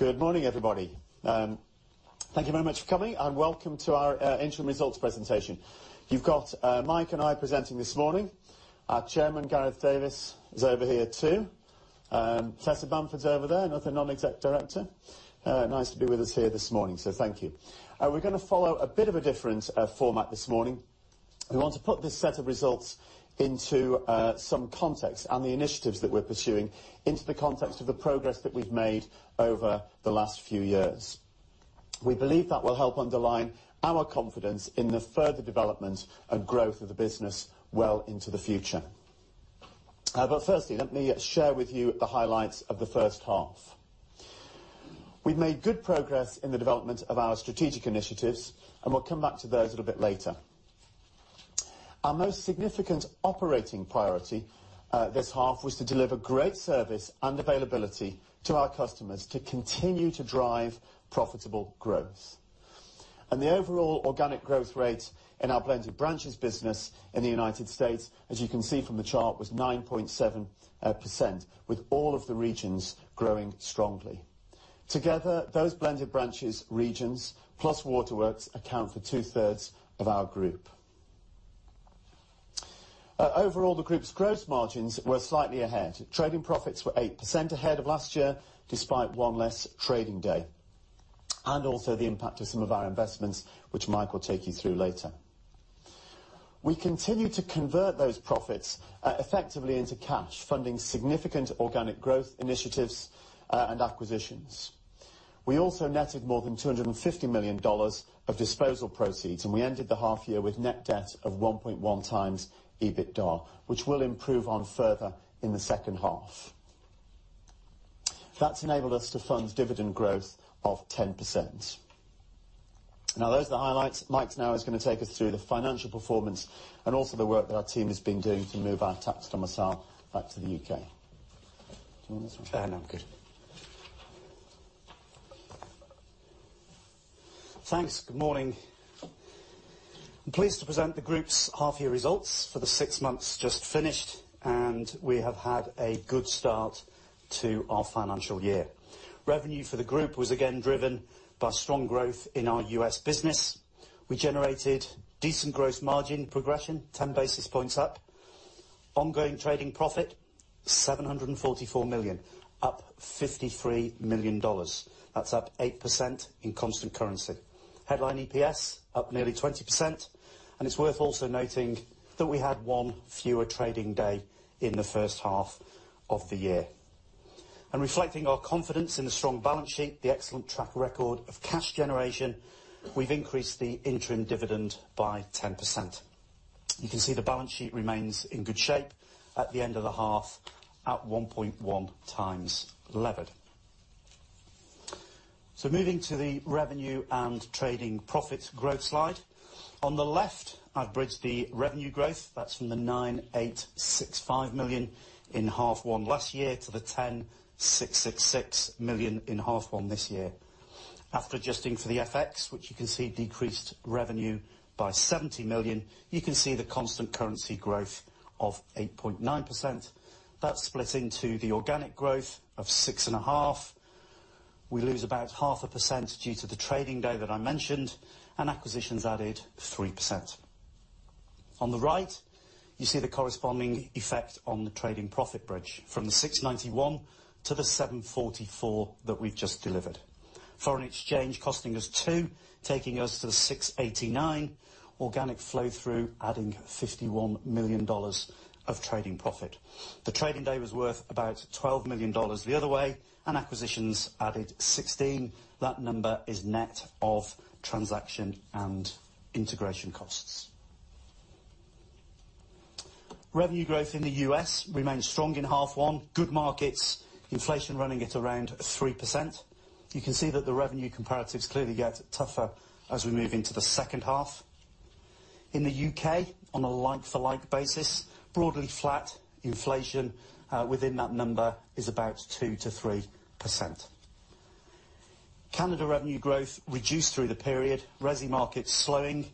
Good morning, everybody. Thank you very much for coming. Welcome to our interim results presentation. You've got Mike and I presenting this morning. Our chairman, Gareth Davis, is over here too. Tessa Bamford's over there, another non-exec director. Nice to be with us here this morning. Thank you. We're going to follow a bit of a different format this morning. We want to put this set of results into some context, the initiatives that we're pursuing into the context of the progress that we've made over the last few years. We believe that will help underline our confidence in the further development and growth of the business well into the future. Firstly, let me share with you the highlights of the first half. We've made good progress in the development of our strategic initiatives. We'll come back to those a little bit later. Our most significant operating priority this half was to deliver great service and availability to our customers to continue to drive profitable growth. The overall organic growth rate in our Blended Branches business in the U.S., as you can see from the chart, was 9.7%, with all of the regions growing strongly. Together, those Blended Branches regions, plus Waterworks, account for two-thirds of our group. Overall, the group's gross margins were slightly ahead. Trading profits were 8% ahead of last year, despite one less trading day. Also the impact of some of our investments, which Mike will take you through later. We continue to convert those profits effectively into cash, funding significant organic growth initiatives and acquisitions. We also netted more than GBP 250 million of disposal proceeds. We ended the half year with net debt of 1.1 times EBITDA, which we'll improve on further in the second half. That's enabled us to fund dividend growth of 10%. Those are the highlights. Mike now is going to take us through the financial performance. Also the work that our team has been doing to move our tax domicile back to the U.K. Do you want this one? No, I'm good. Thanks. Good morning. I'm pleased to present the group's half year results for the six months just finished. We have had a good start to our financial year. Revenue for the group was again driven by strong growth in our U.S. business. We generated decent gross margin progression, 10 basis points up. Ongoing trading profit, 744 million, up GBP 53 million. That's up 8% in constant currency. Headline EPS up nearly 20%. It's worth also noting that we had one fewer trading day in the first half of the year. Reflecting our confidence in the strong balance sheet, the excellent track record of cash generation, we've increased the interim dividend by 10%. You can see the balance sheet remains in good shape at the end of the half, at 1.1 times levered. Moving to the revenue and trading profit growth slide. On the left, I've bridged the revenue growth. That's from the $9,865 million in half one last year to the $10,666 million in half one this year. After adjusting for the FX, which you can see decreased revenue by $70 million, you can see the constant currency growth of 8.9%. That split into the organic growth of 6.5%. We lose about 0.5% due to the trading day that I mentioned, and acquisitions added 3%. On the right, you see the corresponding effect on the trading profit bridge from the $691 million to the $744 million that we've just delivered. Foreign exchange costing us $2 million, taking us to the $689 million. Organic flow-through adding $51 million of trading profit. The trading day was worth about $12 million the other way, and acquisitions added $16 million. That number is net of transaction and integration costs. Revenue growth in the U.S. remained strong in half one. Good markets, inflation running at around 3%. You can see that the revenue comparatives clearly get tougher as we move into the second half. In the U.K., on a like-for-like basis, broadly flat. Inflation within that number is about 2%-3%. Canada revenue growth reduced through the period. Resi markets slowing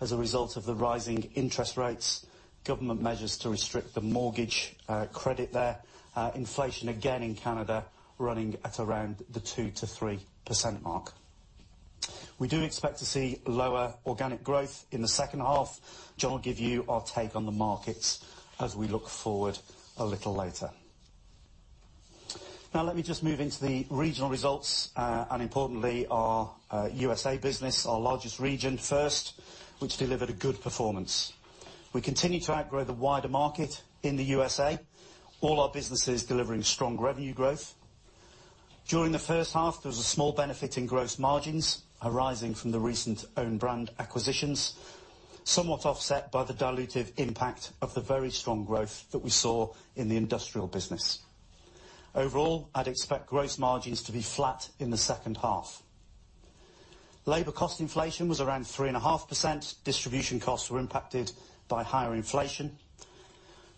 as a result of the rising interest rates. Government measures to restrict the mortgage credit there. Inflation, again in Canada, running at around the 2%-3% mark. We do expect to see lower organic growth in the second half. John will give you our take on the markets as we look forward a little later. Let me just move into the regional results, and importantly, our U.S.A. business, our largest region first, which delivered a good performance. We continue to outgrow the wider market in the U.S.A., all our businesses delivering strong revenue growth. During the first half, there was a small benefit in gross margins arising from the recent own brand acquisitions, somewhat offset by the dilutive impact of the very strong growth that we saw in the industrial business. Overall, I'd expect gross margins to be flat in the second half. Labor cost inflation was around 3.5%. Distribution costs were impacted by higher inflation.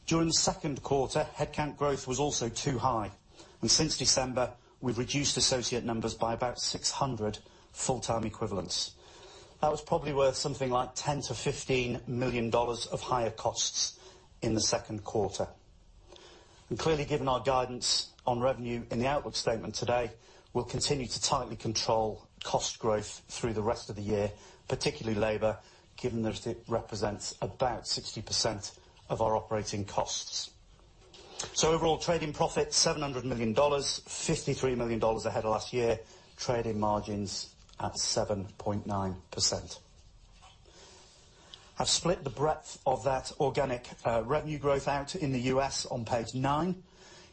During the second quarter, headcount growth was also too high, and since December, we've reduced associate numbers by about 600 full-time equivalents. That was probably worth something like $10 million-$15 million of higher costs in the second quarter. Clearly, given our guidance on revenue in the outlook statement today, we'll continue to tightly control cost growth through the rest of the year, particularly labor, given that it represents about 60% of our operating costs. Overall trading profit, $700 million, $53 million ahead of last year, trading margins at 7.9%. I've split the breadth of that organic revenue growth out in the U.S. on page nine.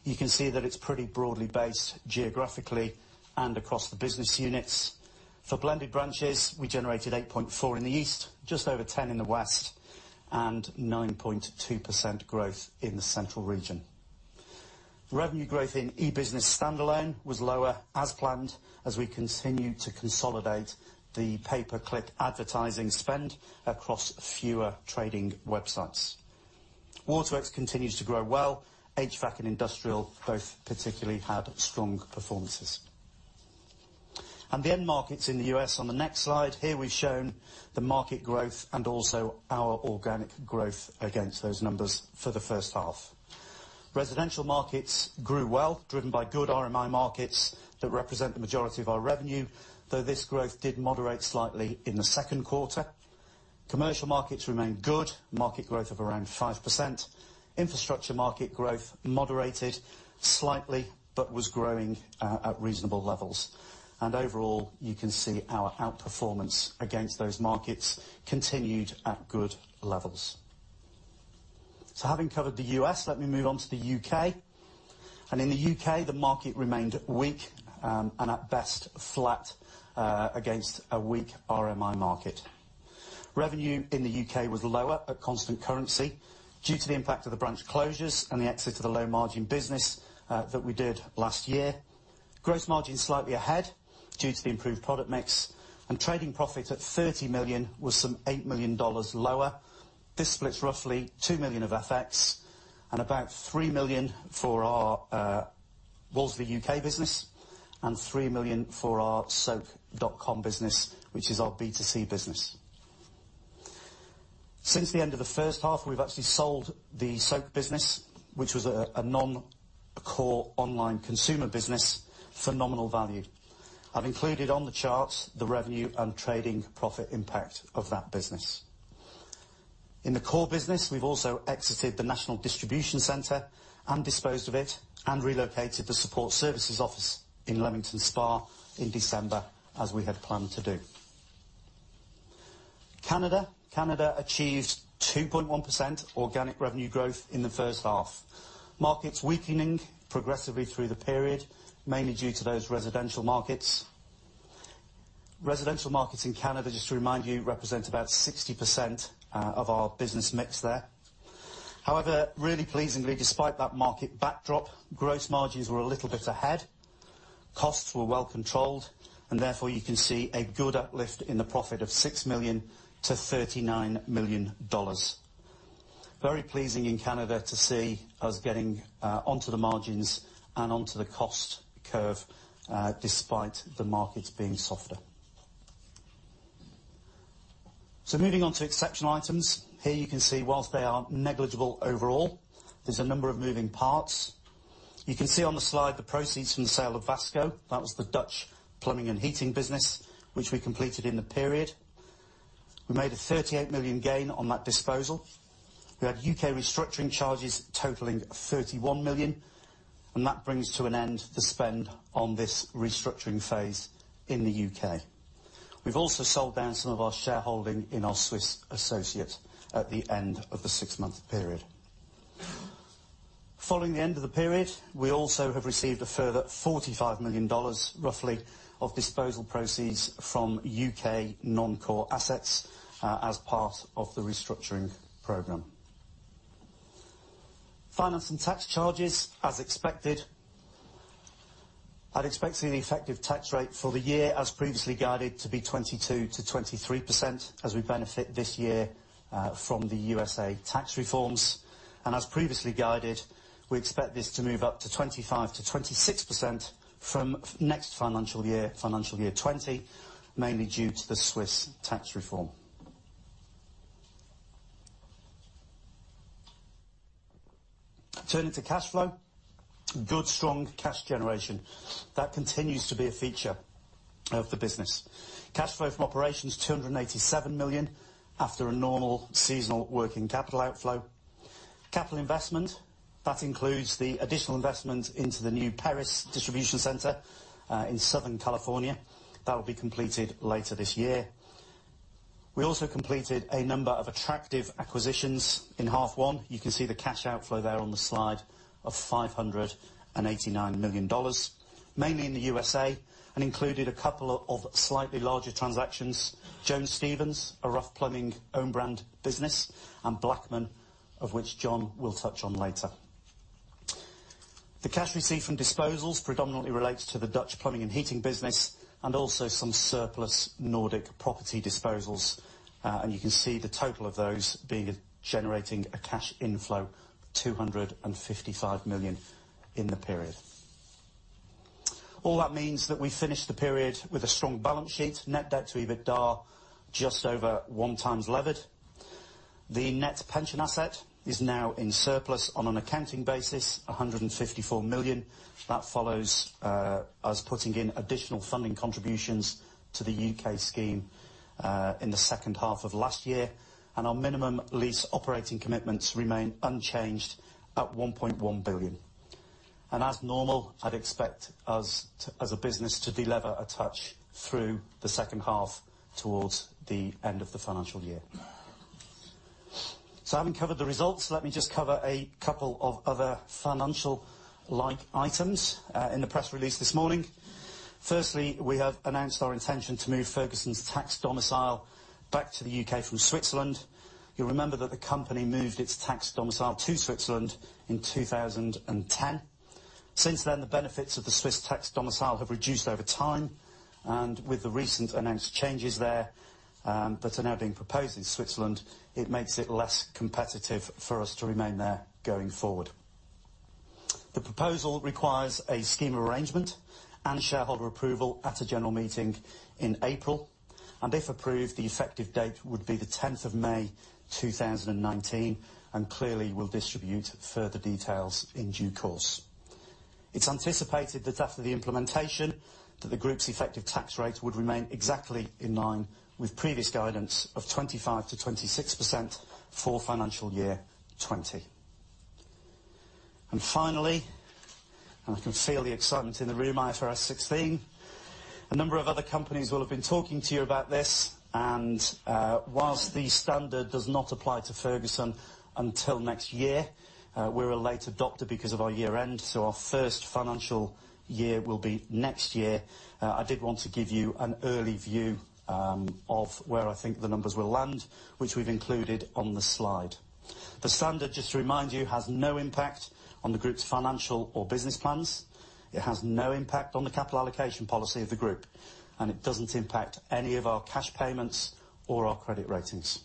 You can see that it's pretty broadly based geographically and across the business units. For Blended Branches, we generated 8.4% in the East, just over 10% in the West, and 9.2% growth in the central region. Revenue growth in e-business standalone was lower, as planned, as we continued to consolidate the pay-per-click advertising spend across fewer trading websites. Waterworks continues to grow well. HVAC and industrial both particularly had strong performances. The end markets in the U.S. on the next slide. Here we've shown the market growth and also our organic growth against those numbers for the first half. Residential markets grew well, driven by good RMI markets that represent the majority of our revenue, though this growth did moderate slightly in the second quarter. Commercial markets remained good, market growth of around 5%. Infrastructure market growth moderated slightly, but was growing at reasonable levels. Overall, you can see our outperformance against those markets continued at good levels. Having covered the U.S., let me move on to the U.K. In the U.K., the market remained weak, and at best, flat against a weak RMI market. Revenue in the U.K. was lower at constant currency due to the impact of the branch closures and the exit to the low-margin business that we did last year. Gross margin slightly ahead due to the improved product mix. Trading profit at $30 million was some $8 million lower. This splits roughly $2 million of FX and about $3 million for our Wolseley U.K. business and $3 million for our Soak.com business, which is our B2C business. Since the end of the first half, we've actually sold the Soak business, which was a non-core online consumer business, for nominal value. I've included on the chart the revenue and trading profit impact of that business. In the core business, we've also exited the national distribution center and disposed of it and relocated the support services office in Leamington Spa in December as we had planned to do. Canada achieved 2.1% organic revenue growth in the first half. Markets weakening progressively through the period, mainly due to those residential markets. Residential markets in Canada, just to remind you, represent about 60% of our business mix there. Really pleasingly, despite that market backdrop, gross margins were a little bit ahead, costs were well controlled, therefore you can see a good uplift in the profit of $6 million to $39 million. Very pleasing in Canada to see us getting onto the margins and onto the cost curve, despite the markets being softer. Moving on to exceptional items. Here you can see whilst they are negligible overall, there's a number of moving parts. You can see on the slide the proceeds from the sale of Vasco. That was the Dutch plumbing and heating business, which we completed in the period. We made a $38 million gain on that disposal. We had U.K. restructuring charges totaling $31 million, and that brings to an end the spend on this restructuring phase in the U.K. We've also sold down some of our shareholding in our Swiss associate at the end of the six-month period. Following the end of the period, we also have received a further $45 million, roughly, of disposal proceeds from U.K. non-core assets as part of the restructuring program. Finance and tax charges as expected. I'd expect to see the effective tax rate for the year as previously guided to be 22%-23% as we benefit this year from the USA tax reforms. As previously guided, we expect this to move up to 25%-26% from next financial year, FY 2020, mainly due to the Swiss tax reform. Turning to cash flow. Good strong cash generation. That continues to be a feature of the business. Cash flow from operations $287 million after a normal seasonal working capital outflow. Capital investment. That includes the additional investment into the new Perris distribution center, in Southern California. That will be completed later this year. We also completed a number of attractive acquisitions in half one. You can see the cash outflow there on the slide of GBP 589 million. Mainly in the USA and included a couple of slightly larger transactions. Jones Stephens, a rough plumbing own brand business, and Blackman, of which John will touch on later. The cash received from disposals predominantly relates to the Dutch plumbing and heating business and also some surplus Nordic property disposals. You can see the total of those generating a cash inflow of 255 million in the period. That means that we finished the period with a strong balance sheet, net debt to EBITDA, just over one times levered. The net pension asset is now in surplus on an accounting basis, 154 million. That follows us putting in additional funding contributions to the U.K. scheme in the second half of last year, and our minimum lease operating commitments remain unchanged at 1.1 billion. As normal, I'd expect us as a business to de-lever a touch through the second half towards the end of the financial year. Having covered the results, let me just cover a couple of other financial-like items in the press release this morning. Firstly, We have announced our intention to move Ferguson's tax domicile back to the U.K. from Switzerland. You'll remember that the company moved its tax domicile to Switzerland in 2010. Since then, the benefits of the Swiss tax domicile have reduced over time. With the recent announced changes there that are now being proposed in Switzerland, it makes it less competitive for us to remain there going forward. The proposal requires a scheme arrangement. Shareholder approval at a general meeting in April, and if approved, the effective date would be the 10th of May 2019. Clearly we'll distribute further details in due course. It's anticipated that after the implementation, that the group's effective tax rate would remain exactly in line with previous guidance of 25%-26% for FY 2020. Finally, I can feel the excitement in the room, IFRS 16. A number of other companies will have been talking to you about this. Whilst the standard does not apply to Ferguson until next year, we're a late adopter because of our year end, so our first financial year will be next year. I did want to give you an early view of where I think the numbers will land, which we've included on the slide. The standard, just to remind you, has no impact on the group's financial or business plans. It has no impact on the capital allocation policy of the group, and it doesn't impact any of our cash payments or our credit ratings.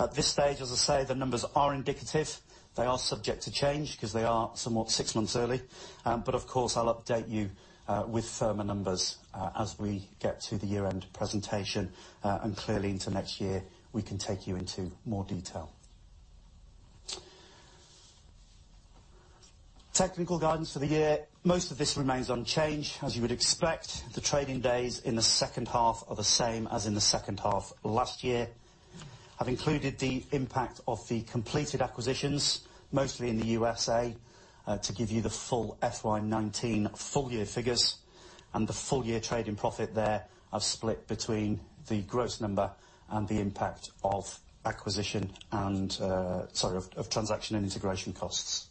At this stage, as I say, the numbers are indicative. They are subject to change because they are somewhat six months early. Of course, I'll update you with firmer numbers as we get to the year-end presentation. Clearly into next year, we can take you into more detail. Technical guidance for the year. Most of this remains unchanged. As you would expect, the trading days in the second half are the same as in the second half last year. I've included the impact of the completed acquisitions, mostly in the USA, to give you the full FY 2019 full year figures. The full year trading profit there is split between the gross number and the impact of acquisition and transaction and integration costs.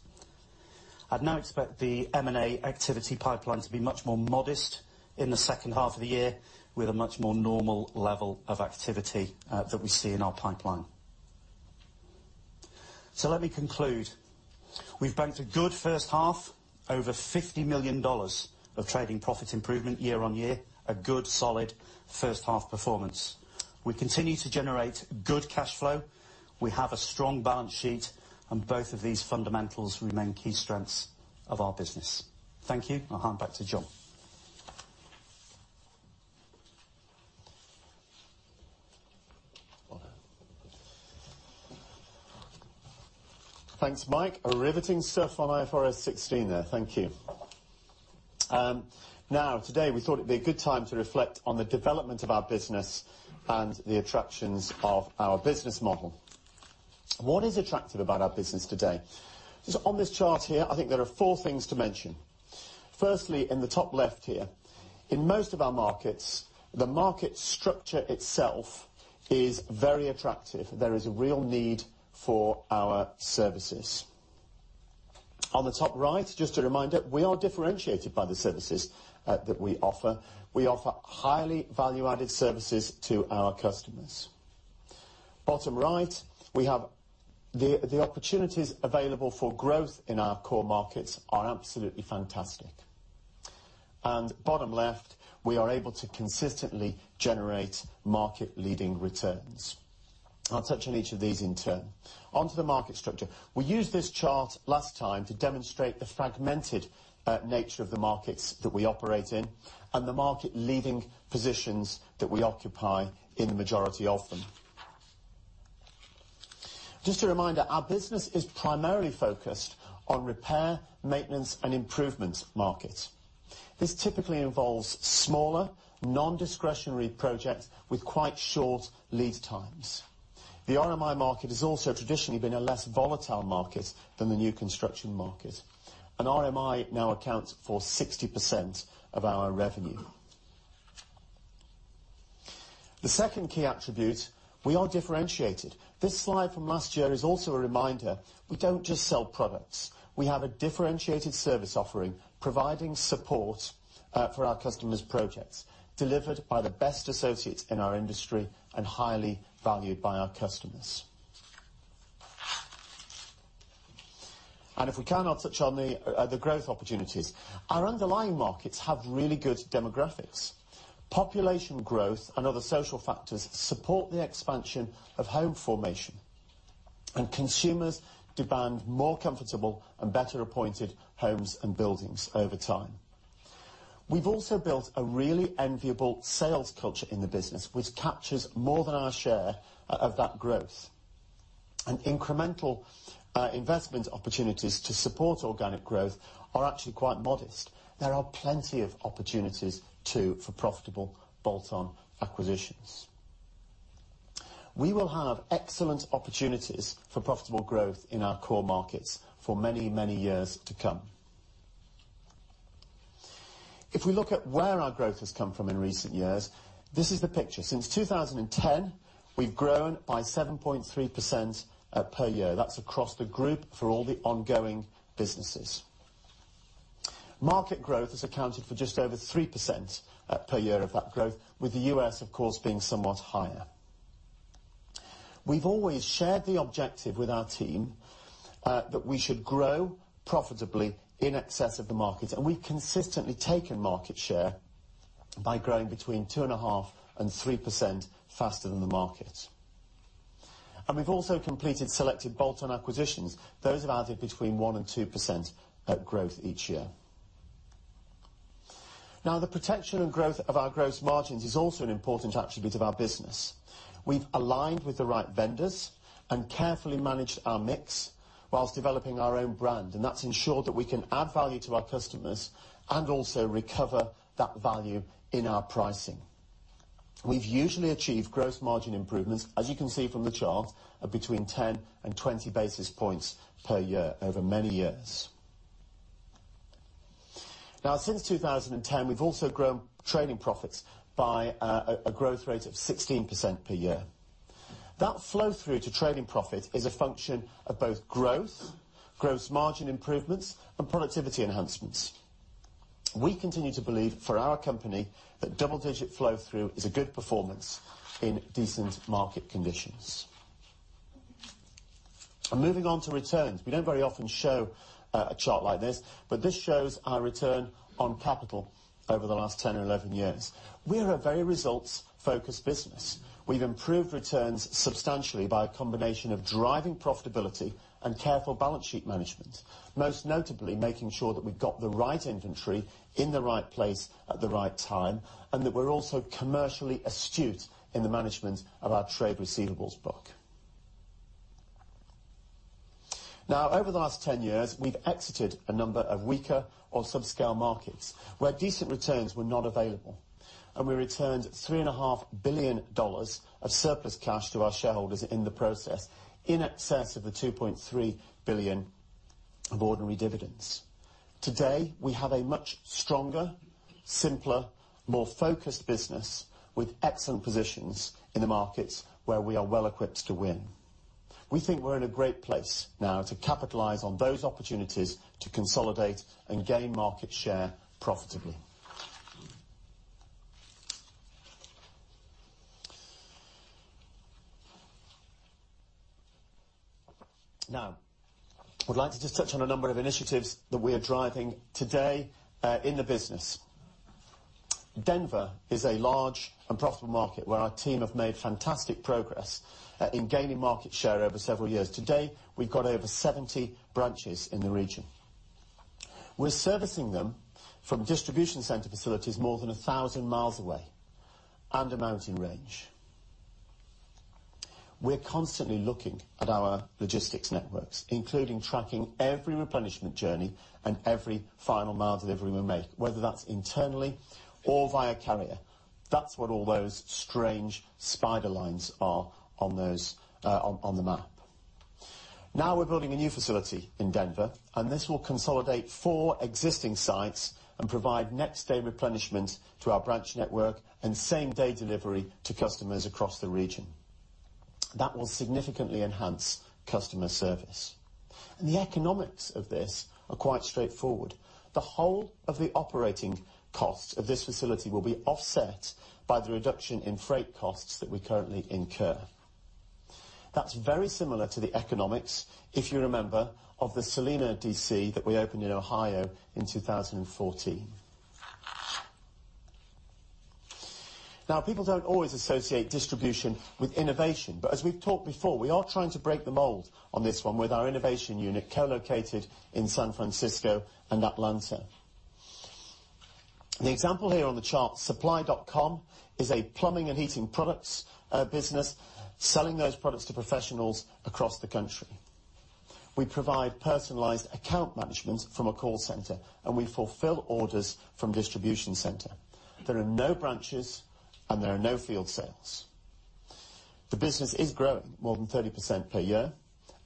I'd now expect the M&A activity pipeline to be much more modest in the second half of the year with a much more normal level of activity that we see in our pipeline. Let me conclude. We've banked a good first half, over $50 million of trading profit improvement year-on-year, a good solid first half performance. We continue to generate good cash flow. We have a strong balance sheet. Both of these fundamentals remain key strengths of our business. Thank you. I'll hand back to John. Thanks, Mike. A riveting surf on IFRS 16 there. Thank you. Today we thought it'd be a good time to reflect on the development of our business and the attractions of our business model. What is attractive about our business today? Just on this chart here, I think there are four things to mention. Firstly, in the top left here, in most of our markets, the market structure itself is very attractive. There is a real need for our services. On the top right, just a reminder, we are differentiated by the services that we offer. We offer highly value-added services to our customers. Bottom right, we have the opportunities available for growth in our core markets are absolutely fantastic. Bottom left, we are able to consistently generate market-leading returns. I'll touch on each of these in turn. Onto the market structure. We used this chart last time to demonstrate the fragmented nature of the markets that we operate in and the market-leading positions that we occupy in the majority of them. Just a reminder, our business is primarily focused on repair, maintenance, and improvement markets. This typically involves smaller, non-discretionary projects with quite short lead times. The RMI market has also traditionally been a less volatile market than the new construction market, and RMI now accounts for 60% of our revenue. The second key attribute, we are differentiated. This slide from last year is also a reminder. We don't just sell products. We have a differentiated service offering, providing support for our customers' projects, delivered by the best associates in our industry and highly valued by our customers. If we can, I'll touch on the growth opportunities. Our underlying markets have really good demographics. Population growth and other social factors support the expansion of home formation. Consumers demand more comfortable and better-appointed homes and buildings over time. We've also built a really enviable sales culture in the business, which captures more than our share of that growth. Incremental investment opportunities to support organic growth are actually quite modest. There are plenty of opportunities too, for profitable bolt-on acquisitions. We will have excellent opportunities for profitable growth in our core markets for many, many years to come. If we look at where our growth has come from in recent years, this is the picture. Since 2010, we've grown by 7.3% per year. That's across the group for all the ongoing businesses. Market growth has accounted for just over 3% per year of that growth, with the U.S., of course, being somewhat higher. We've always shared the objective with our team, that we should grow profitably in excess of the market. We've consistently taken market share by growing between 2.5% and 3% faster than the market. We've also completed selected bolt-on acquisitions. Those have added between 1% and 2% growth each year. The protection and growth of our gross margins is also an important attribute of our business. We've aligned with the right vendors and carefully managed our mix whilst developing our own brand. That's ensured that we can add value to our customers and also recover that value in our pricing. We've usually achieved gross margin improvements, as you can see from the chart, of between 10 and 20 basis points per year over many years. Since 2010, we've also grown trading profits by a growth rate of 16% per year. That flow-through to trading profit is a function of both growth, gross margin improvements, and productivity enhancements. We continue to believe for our company that double-digit flow-through is a good performance in decent market conditions. Moving on to returns. We don't very often show a chart like this, but this shows our return on capital over the last 10 or 11 years. We are a very results-focused business. We've improved returns substantially by a combination of driving profitability and careful balance sheet management, most notably making sure that we've got the right inventory in the right place at the right time, and that we're also commercially astute in the management of our trade receivables book. Over the last 10 years, we've exited a number of weaker or subscale markets where decent returns were not available. We returned GBP 3.5 billion of surplus cash to our shareholders in the process, in excess of the 2.3 billion of ordinary dividends. Today, we have a much stronger, simpler, more focused business with excellent positions in the markets where we are well equipped to win. We think we're in a great place now to capitalize on those opportunities to consolidate and gain market share profitably. I'd like to just touch on a number of initiatives that we are driving today in the business. Denver is a large and profitable market where our team have made fantastic progress in gaining market share over several years. Today, we've got over 70 branches in the region. We're servicing them from distribution center facilities more than 1,000 miles away and a mountain range. We're constantly looking at our logistics networks, including tracking every replenishment journey and every final mile delivery we make, whether that's internally or via carrier. That's what all those strange spider lines are on the map. We're building a new facility in Denver. This will consolidate four existing sites and provide next-day replenishment to our branch network and same-day delivery to customers across the region. That will significantly enhance customer service. The economics of this are quite straightforward. The whole of the operating cost of this facility will be offset by the reduction in freight costs that we currently incur. That's very similar to the economics, if you remember, of the Celina DC that we opened in Ohio in 2014. People don't always associate distribution with innovation, but as we've talked before, we are trying to break the mold on this one with our innovation unit co-located in San Francisco and Atlanta. The example here on the chart, Supply.com, is a plumbing and heating products business, selling those products to professionals across the country. We provide personalized account management from a call center, and we fulfill orders from distribution center. There are no branches and there are no field sales. The business is growing more than 30% per year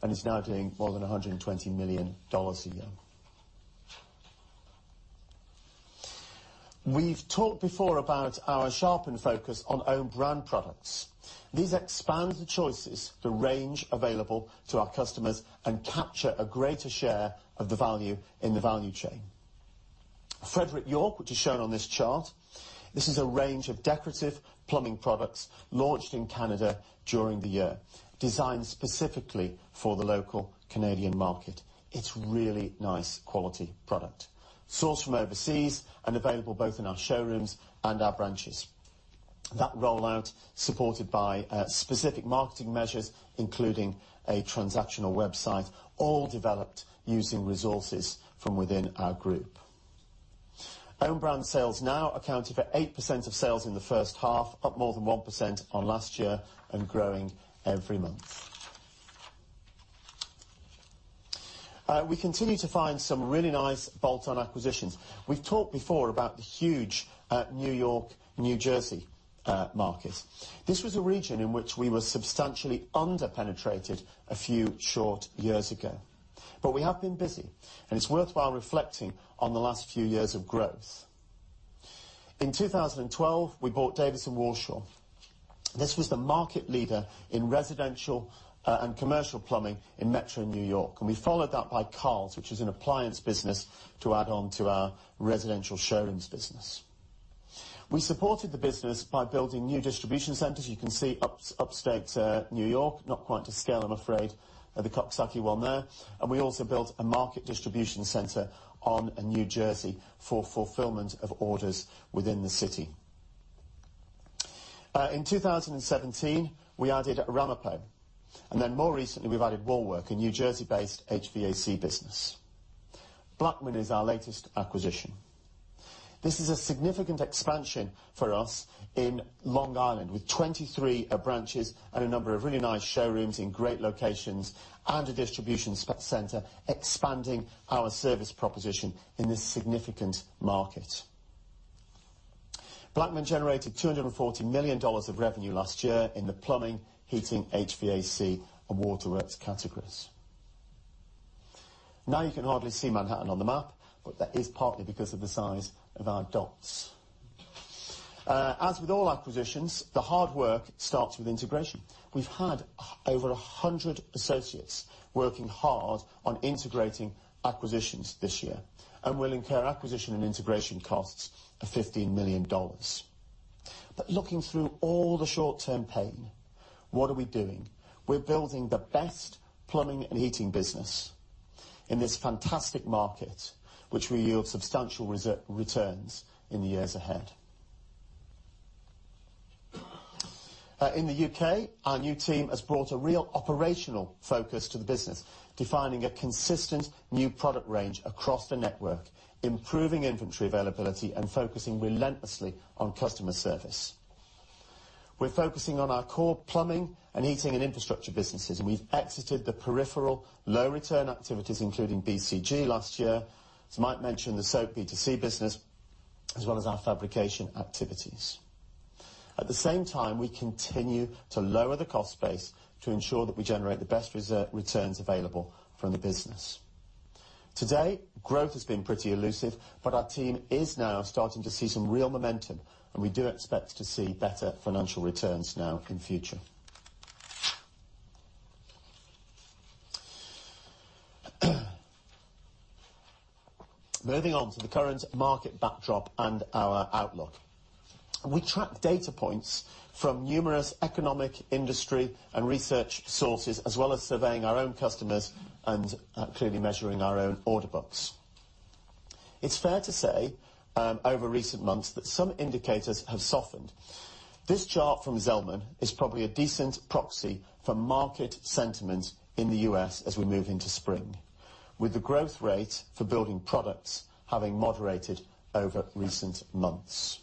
and is now doing more than $120 million a year. We've talked before about our sharpened focus on own brand products. These expand the choices, the range available to our customers and capture a greater share of the value in the value chain. Frederick York, which is shown on this chart, this is a range of decorative plumbing products launched in Canada during the year, designed specifically for the local Canadian market. It's really nice quality product, sourced from overseas and available both in our showrooms and our branches. That rollout supported by specific marketing measures, including a transactional website, all developed using resources from within our group. Own brand sales now accounted for 8% of sales in the first half, up more than 1% on last year and growing every month. We continue to find some really nice bolt-on acquisitions. We've talked before about the huge N.Y., N.J. market. This was a region in which we were substantially under-penetrated a few short years ago. We have been busy, and it's worthwhile reflecting on the last few years of growth. In 2012, we bought Davis & Warshow. This was the market leader in residential and commercial plumbing in metro N.Y., and we followed that by Karl's, which is an appliance business to add on to our residential showrooms business. We supported the business by building new distribution centers. You can see upstate N.Y. Not quite to scale, I'm afraid, the Coxsackie one there. We also built a market distribution center on N.J. for fulfillment of orders within the city. In 2017, we added Ramapo, and then more recently we've added Wallwork, a N.J.-based HVAC business. Blackman is our latest acquisition. This is a significant expansion for us in Long Island, with 23 branches and a number of really nice showrooms in great locations and a distribution center, expanding our service proposition in this significant market. Blackman generated $240 million of revenue last year in the plumbing, heating, HVAC, and Waterworks categories. You can hardly see Manhattan on the map, but that is partly because of the size of our dots. As with all acquisitions, the hard work starts with integration. We've had over 100 associates working hard on integrating acquisitions this year, and we'll incur acquisition and integration costs of $15 million. Looking through all the short-term pain, what are we doing? We're building the best plumbing and heating business in this fantastic market, which will yield substantial returns in the years ahead. In the U.K., our new team has brought a real operational focus to the business, defining a consistent new product range across the network, improving inventory availability, and focusing relentlessly on customer service. We're focusing on our core plumbing and heating and infrastructure businesses, and we've exited the peripheral low return activities, including BCG last year. As Mike mentioned, the Soak B2C business, as well as our fabrication activities. At the same time, we continue to lower the cost base to ensure that we generate the best returns available from the business. Today, growth has been pretty elusive, but our team is now starting to see some real momentum, and we do expect to see better financial returns now in future. Moving on to the current market backdrop and our outlook. We track data points from numerous economic, industry, and research sources, as well as surveying our own customers and clearly measuring our own order books. It's fair to say over recent months that some indicators have softened. This chart from Zelman is probably a decent proxy for market sentiment in the U.S. as we move into spring. The growth rate for building products having moderated over recent months.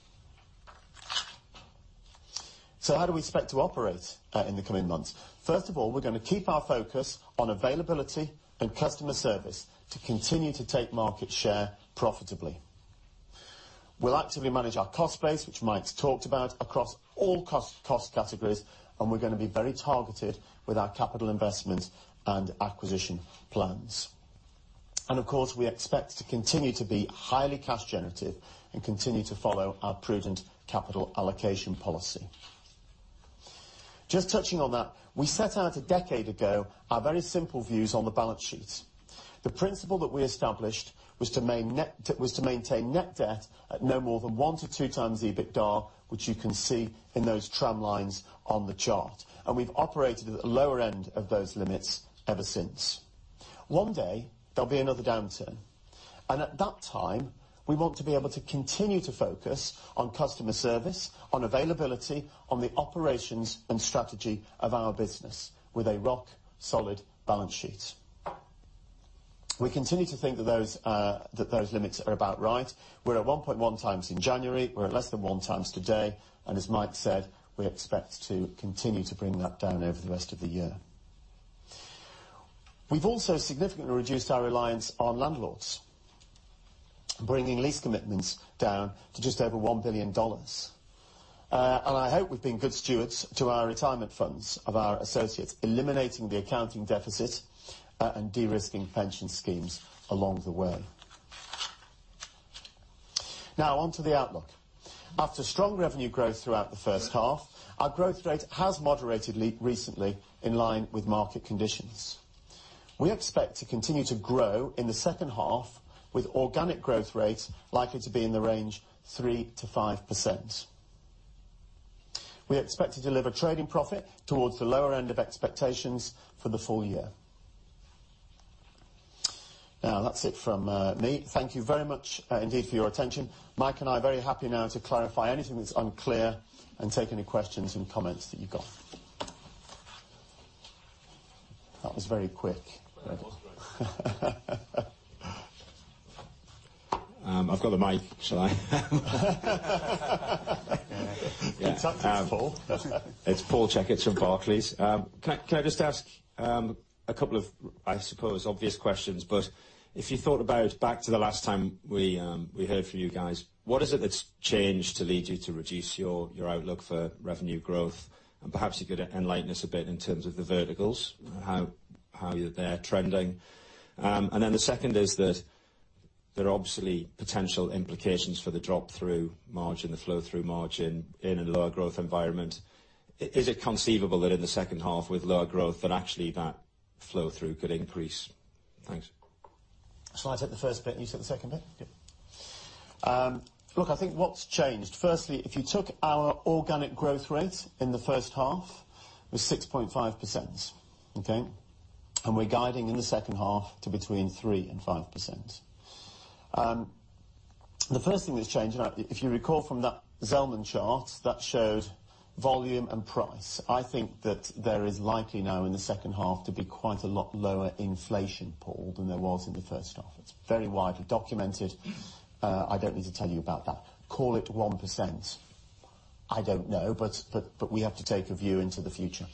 How do we expect to operate in the coming months? First of all, we're going to keep our focus on availability and customer service to continue to take market share profitably. We'll actively manage our cost base, which Mike's talked about, across all cost categories, and we're going to be very targeted with our capital investments and acquisition plans. Of course, we expect to continue to be highly cash generative and continue to follow our prudent capital allocation policy. Just touching on that, we set out a decade ago our very simple views on the balance sheet. The principle that we established was to maintain net debt at no more than one to two times EBITDA, which you can see in those tramlines on the chart. We've operated at the lower end of those limits ever since. One day there'll be another downturn, and at that time, we want to be able to continue to focus on customer service, on availability, on the operations and strategy of our business with a rock-solid balance sheet. We continue to think that those limits are about right. We're at 1.1 times in January. We're at less than one times today, and as Mike said, we expect to continue to bring that down over the rest of the year. We've also significantly reduced our reliance on landlords, bringing lease commitments down to just over $1 billion. I hope we've been good stewards to our retirement funds of our associates, eliminating the accounting deficit, and de-risking pension schemes along the way. On to the outlook. After strong revenue growth throughout the first half, our growth rate has moderated recently in line with market conditions. We expect to continue to grow in the second half, with organic growth rates likely to be in the range 3%-5%. We expect to deliver trading profit towards the lower end of expectations for the full year. That's it from me. Thank you very much indeed for your attention. Mike and I are very happy now to clarify anything that's unclear and take any questions and comments that you've got. That was very quick. It was great. I've got the mic. Shall I? Yeah. It's Paul Checketts from Barclays. Can I just ask a couple of, I suppose, obvious questions, but if you thought about back to the last time we heard from you guys, what is it that's changed to lead you to reduce your outlook for revenue growth? Perhaps you could enlighten us a bit in terms of the verticals, how they're trending. The second is that there are obviously potential implications for the drop-through margin, the flow-through margin in a lower growth environment. Is it conceivable that in the second half with lower growth, that actually that flow-through could increase? Thanks. Shall I take the first bit and you take the second bit? Yeah. Look, I think what's changed, firstly, if you took our organic growth rate in the first half, it was 6.5%. Okay? We're guiding in the second half to between 3% and 5%. The first thing that's changed, if you recall from that Zelman chart that showed volume and price, I think that there is likely now in the second half to be quite a lot lower inflation, Paul, than there was in the first half. It's very widely documented. I don't need to tell you about that. Call it 1%. I don't know. We have to take a view into the future.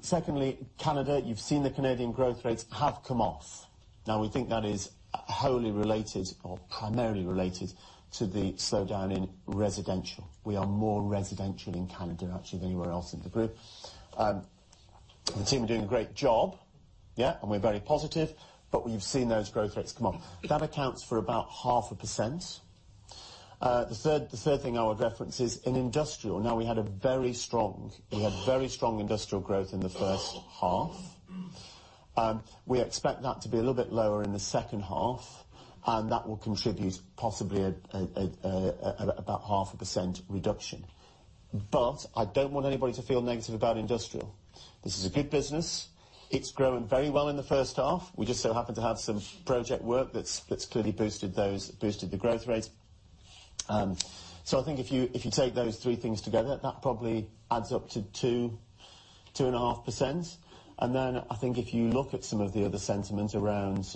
Secondly, Canada, you've seen the Canadian growth rates have come off. We think that is wholly related or primarily related to the slowdown in residential. We are more residential in Canada, actually, than anywhere else in the group. The team are doing a great job. Yeah, we're very positive. We've seen those growth rates come off. That accounts for about half a percent. The third thing I would reference is in industrial. We had a very strong industrial growth in the first half. We expect that to be a little bit lower in the second half, and that will contribute possibly about half a percent reduction. I don't want anybody to feel negative about industrial. This is a good business. It's grown very well in the first half. We just so happen to have some project work that's clearly boosted the growth rates. I think if you take those three things together, that probably adds up to 2.5%. I think if you look at some of the other sentiment around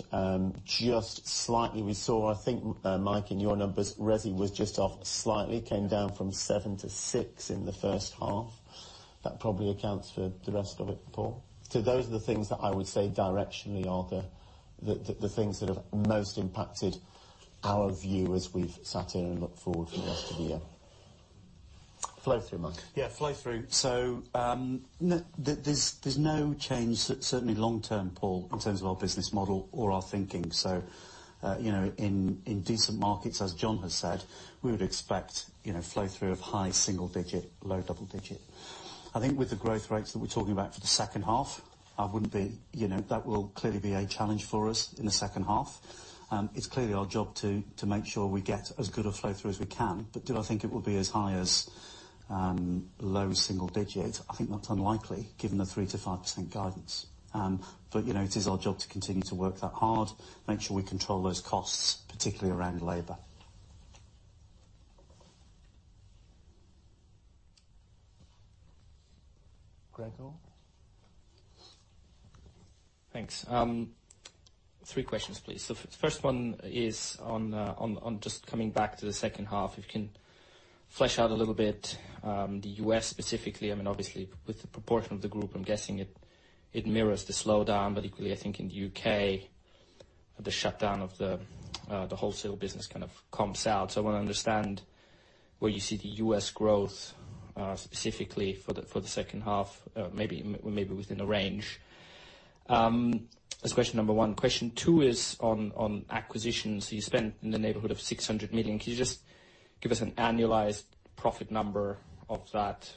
just slightly, we saw, I think, Mike, in your numbers, resi was just off slightly, came down from seven to six in the first half. That probably accounts for the rest of it, Paul. Those are the things that I would say directionally are the things that have most impacted our view as we've sat here and looked forward for the rest of the year. Flow-through, Mike. Yeah, flow-through. There's no change, certainly long term, Paul, in terms of our business model or our thinking. In decent markets, as John has said, we would expect flow-through of high single digit, low double digit. I think with the growth rates that we're talking about for the second half, that will clearly be a challenge for us in the second half. It's clearly our job to make sure we get as good a flow-through as we can. Do I think it will be as high as low single digit? I think that's unlikely given the 3% to 5% guidance. It is our job to continue to work that hard, make sure we control those costs, particularly around labor. Gregor? Thanks. Three questions, please. The first one is on just coming back to the second half, if you can flesh out a little bit, the U.S. specifically, obviously with the proportion of the group, I'm guessing it mirrors the slowdown, but equally, I think in the U.K., the shutdown of the wholesale business kind of comps out. I want to understand where you see the U.S. growth, specifically for the second half, maybe within a range. That's question number one. Question two is on acquisitions. You spent in the neighborhood of 600 million. Can you just give us an annualized profit number of that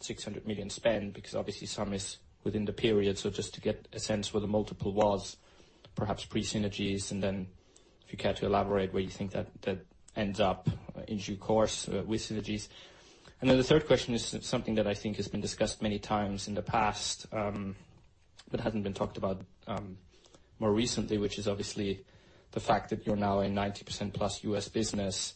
600 million spend? Because obviously some is within the period. Just to get a sense where the multiple was, perhaps pre-synergies, and then if you care to elaborate where you think that ends up in due course with synergies. The third question is something that I think has been discussed many times in the past, but hasn't been talked about more recently, which is obviously the fact that you're now a 90%+ U.S. business,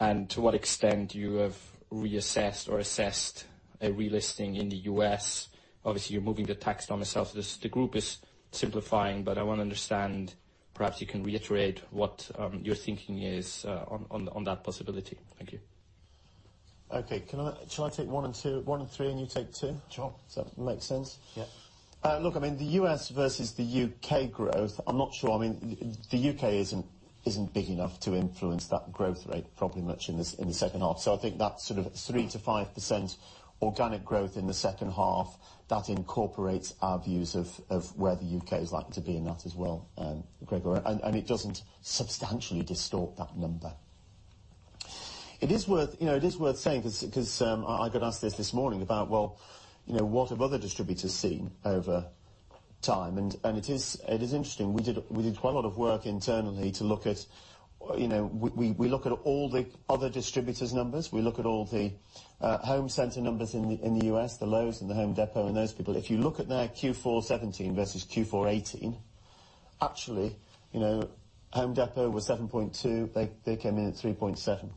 and to what extent you have reassessed or assessed a relisting in the U.S. Obviously, you're moving the tax domiciles. The group is simplifying, I want to understand, perhaps you can reiterate what your thinking is on that possibility. Thank you. Okay. Shall I take one and three and you take two? Sure. Does that make sense? Yeah. Look, the U.S. versus the U.K. growth, I'm not sure. The U.K. isn't big enough to influence that growth rate probably much in the second half. I think that sort of 3%-5% organic growth in the second half, that incorporates our views of where the U.K. is likely to be in that as well, Gregor, and it doesn't substantially distort that number. It is worth saying, because I got asked this this morning about, well, what have other distributors seen over time? It is interesting. We look at all the other distributors' numbers. We look at all the Home Center numbers in the U.S., the Lowe's and the Home Depot and those people. If you look at their Q4 2017 versus Q4 2018, actually, Home Depot was 7.2%, they came in at 3.7%.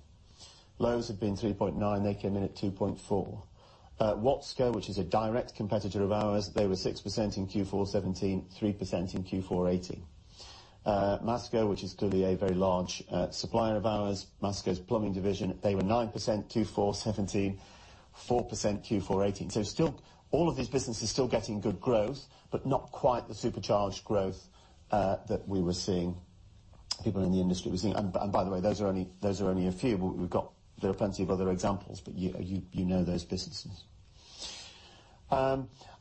Lowe's had been 3.9%, they came in at 2.4%. Watsco, which is a direct competitor of ours, they were 6% in Q4 2017, 3% in Q4 2018. Masco, which is clearly a very large supplier of ours, Masco's plumbing division, they were 9% Q4 2017, 4% Q4 2018. All of these businesses still getting good growth, but not quite the supercharged growth that we were seeing, people in the industry were seeing. By the way, those are only a few, but there are plenty of other examples, but you know those businesses.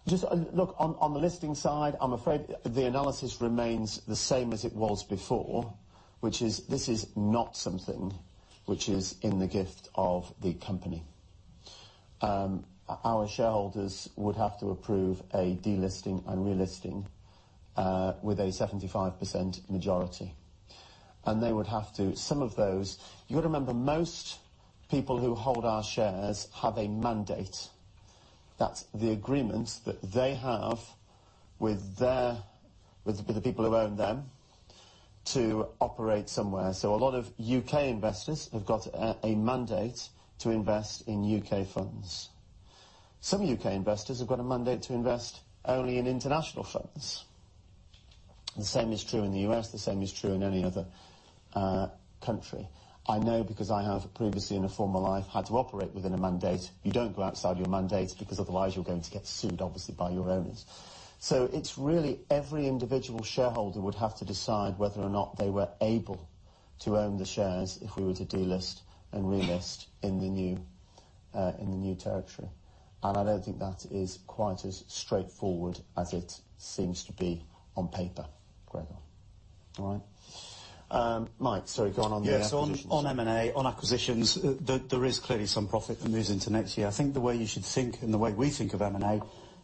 Just look, on the listing side, I'm afraid the analysis remains the same as it was before, which is this is not something which is in the gift of the company. Our shareholders would have to approve a delisting and relisting, with a 75% majority. Some of those, you remember, most people who hold our shares have a mandate. That's the agreement that they have with the people who own them to operate somewhere. A lot of U.K. investors have got a mandate to invest in U.K. funds. Some U.K. investors have got a mandate to invest only in international funds. The same is true in the U.S., the same is true in any other country. I know because I have previously, in a former life, had to operate within a mandate. You don't go outside your mandate because otherwise you're going to get sued, obviously, by your owners. It's really every individual shareholder would have to decide whether or not they were able to own the shares if we were to delist and relist in the new territory. I don't think that is quite as straightforward as it seems to be on paper, Gregor. All right? Mike, sorry, go on on the acquisition side. Yes, on M&A, on acquisitions, there is clearly some profit that moves into next year. I think the way you should think and the way we think of M&A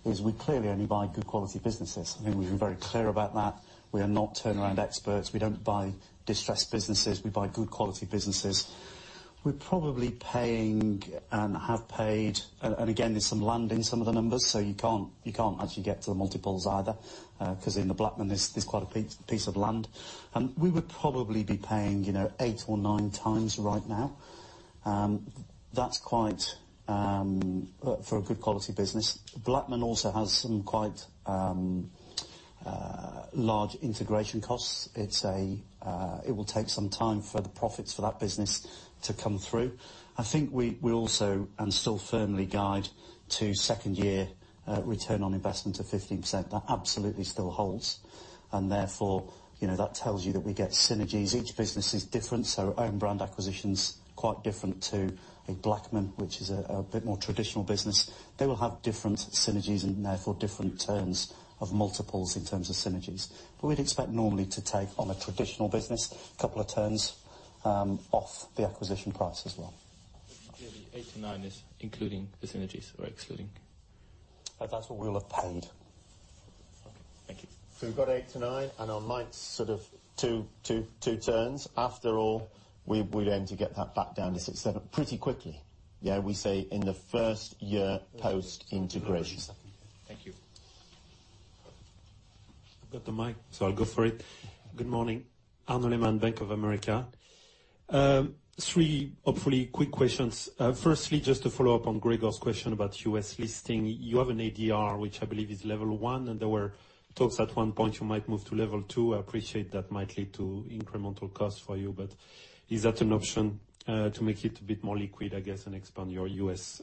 is we clearly only buy good quality businesses. I think we've been very clear about that. We are not turnaround experts. We don't buy distressed businesses. We buy good quality businesses. We're probably paying and have paid, and again, there's some land in some of the numbers, so you can't actually get to the multiples either, because in the Blackman, there's quite a piece of land. We would probably be paying eight or nine times right now. That's quite, for a good quality business. Blackman also has some quite large integration costs. It will take some time for the profits for that business to come through. I think we also, and still firmly guide to second year return on investment of 15%. That absolutely still holds, and therefore, that tells you that we get synergies. Each business is different, so our own brand acquisition's quite different to a Blackman, which is a bit more traditional business. They will have different synergies and therefore different turns of multiples in terms of synergies. We'd expect normally to take on a traditional business couple of turns off the acquisition price as well. Clearly eight to nine is including the synergies or excluding? That's what we'll have paid. Okay. Thank you. We've got eight to nine and on Mike's sort of two turns. After all, we'd aim to get that back down to six, seven pretty quickly. Yeah, we say in the first year post-integration. Thank you. I've got the mic, so I'll go for it. Good morning. Arnaud Lehmann, Bank of America. Three hopefully quick questions. Firstly, just to follow up on Gregor's question about U.S. listing. You have an ADR, which I believe is level 1, and there were talks at one point you might move to level 2. I appreciate that might lead to incremental costs for you, but is that an option to make it a bit more liquid, I guess, and expand your U.S.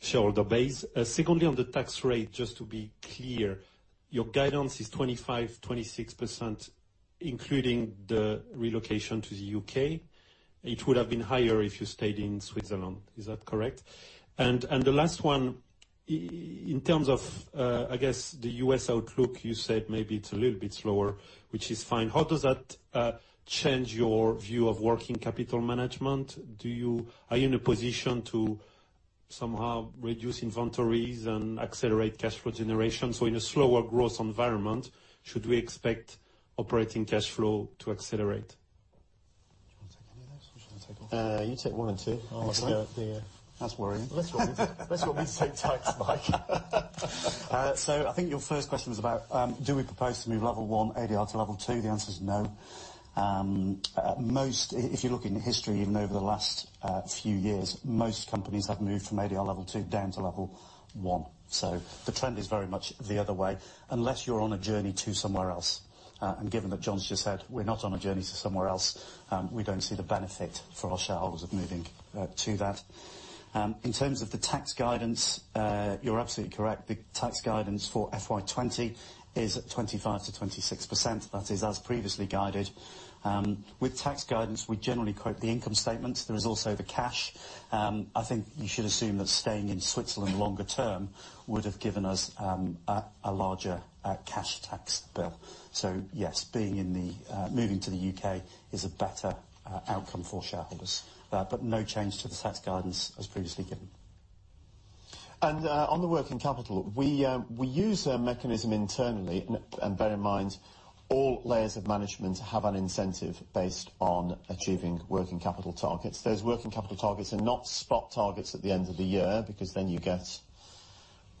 shareholder base? Secondly, on the tax rate, just to be clear, your guidance is 25%-26%, including the relocation to the U.K. It would have been higher if you stayed in Switzerland. Is that correct? The last one, in terms of, I guess, the U.S. outlook, you said maybe it's a little bit slower, which is fine. How does that change your view of working capital management? Are you in a position to somehow reduce inventories and accelerate cash flow generation? In a slower growth environment, should we expect operating cash flow to accelerate? Do you want to take any of those? Which you want to take? You take one and two. I'll take- That's all right. That's what we take tides, Mike. I think your first question was about, do we propose to move level 1 ADR to level 2? The answer is no. If you look in history, even over the last few years, most companies have moved from ADR level 2 down to level 1. The trend is very much the other way, unless you're on a journey to somewhere else. Given that John's just said we're not on a journey to somewhere else, we don't see the benefit for our shareholders of moving to that. In terms of the tax guidance, you're absolutely correct. The tax guidance for FY 2020 is 25%-26%. That is as previously guided. With tax guidance, we generally quote the income statements. There is also the cash. I think you should assume that staying in Switzerland longer term would have given us a larger cash tax bill. Yes, moving to the U.K. is a better outcome for shareholders. No change to the tax guidance as previously given. On the working capital, we use a mechanism internally. Bear in mind, all layers of management have an incentive based on achieving working capital targets. Those working capital targets are not spot targets at the end of the year, because then you get